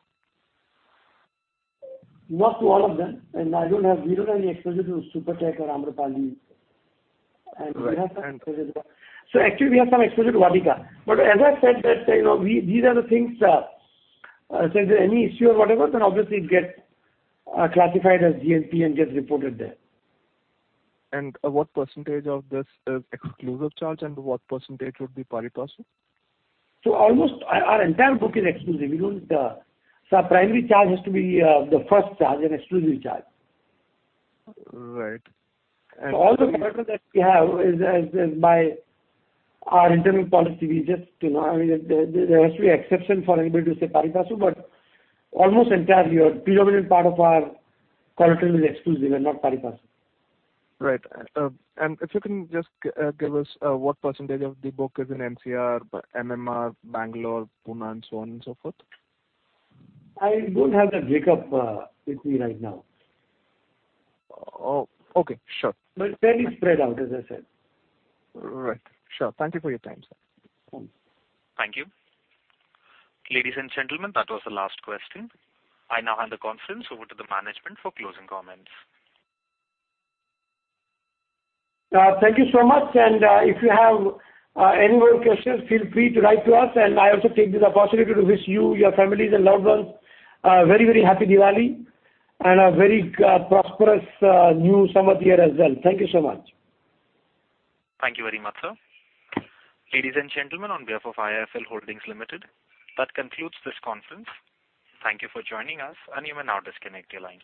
S3: Not to all of them, we don't have any exposure to Supertech or Amrapali.
S14: Right.
S3: Actually, we have some exposure to Vatika. But as I said that these are the things that, say if there's any issue or whatever, then obviously it gets classified as GNPA and gets reported there.
S14: What percentage of this is exclusive charge and what percentage would be pari-passu?
S3: almost our entire book is exclusive. Our primary charge has to be the first charge, an exclusive charge.
S14: Right.
S3: all the 100 that we have is by our internal policy. There has to be exception for anybody to say pari-passu, but almost entire, predominant part of our collateral is exclusive and not pari-passu.
S14: Right. If you can just give us what percentage of the book is in NCR, MMR, Bangalore, Pune, and so on and so forth.
S3: I don't have that breakup with me right now.
S14: Okay, sure.
S3: Fairly spread out, as I said.
S14: Right. Sure. Thank you for your time, sir.
S3: Thanks.
S1: Thank you. Ladies and gentlemen, that was the last question. I now hand the conference over to the management for closing comments.
S3: Thank you so much. If you have any more questions, feel free to write to us, and I also take this opportunity to wish you, your families, and loved ones a very, very happy Diwali and a very prosperous new Samvat year as well. Thank you so much.
S1: Thank you very much, sir. Ladies and gentlemen, on behalf of IIFL Holdings Limited, that concludes this conference. Thank you for joining us, and you may now disconnect your lines.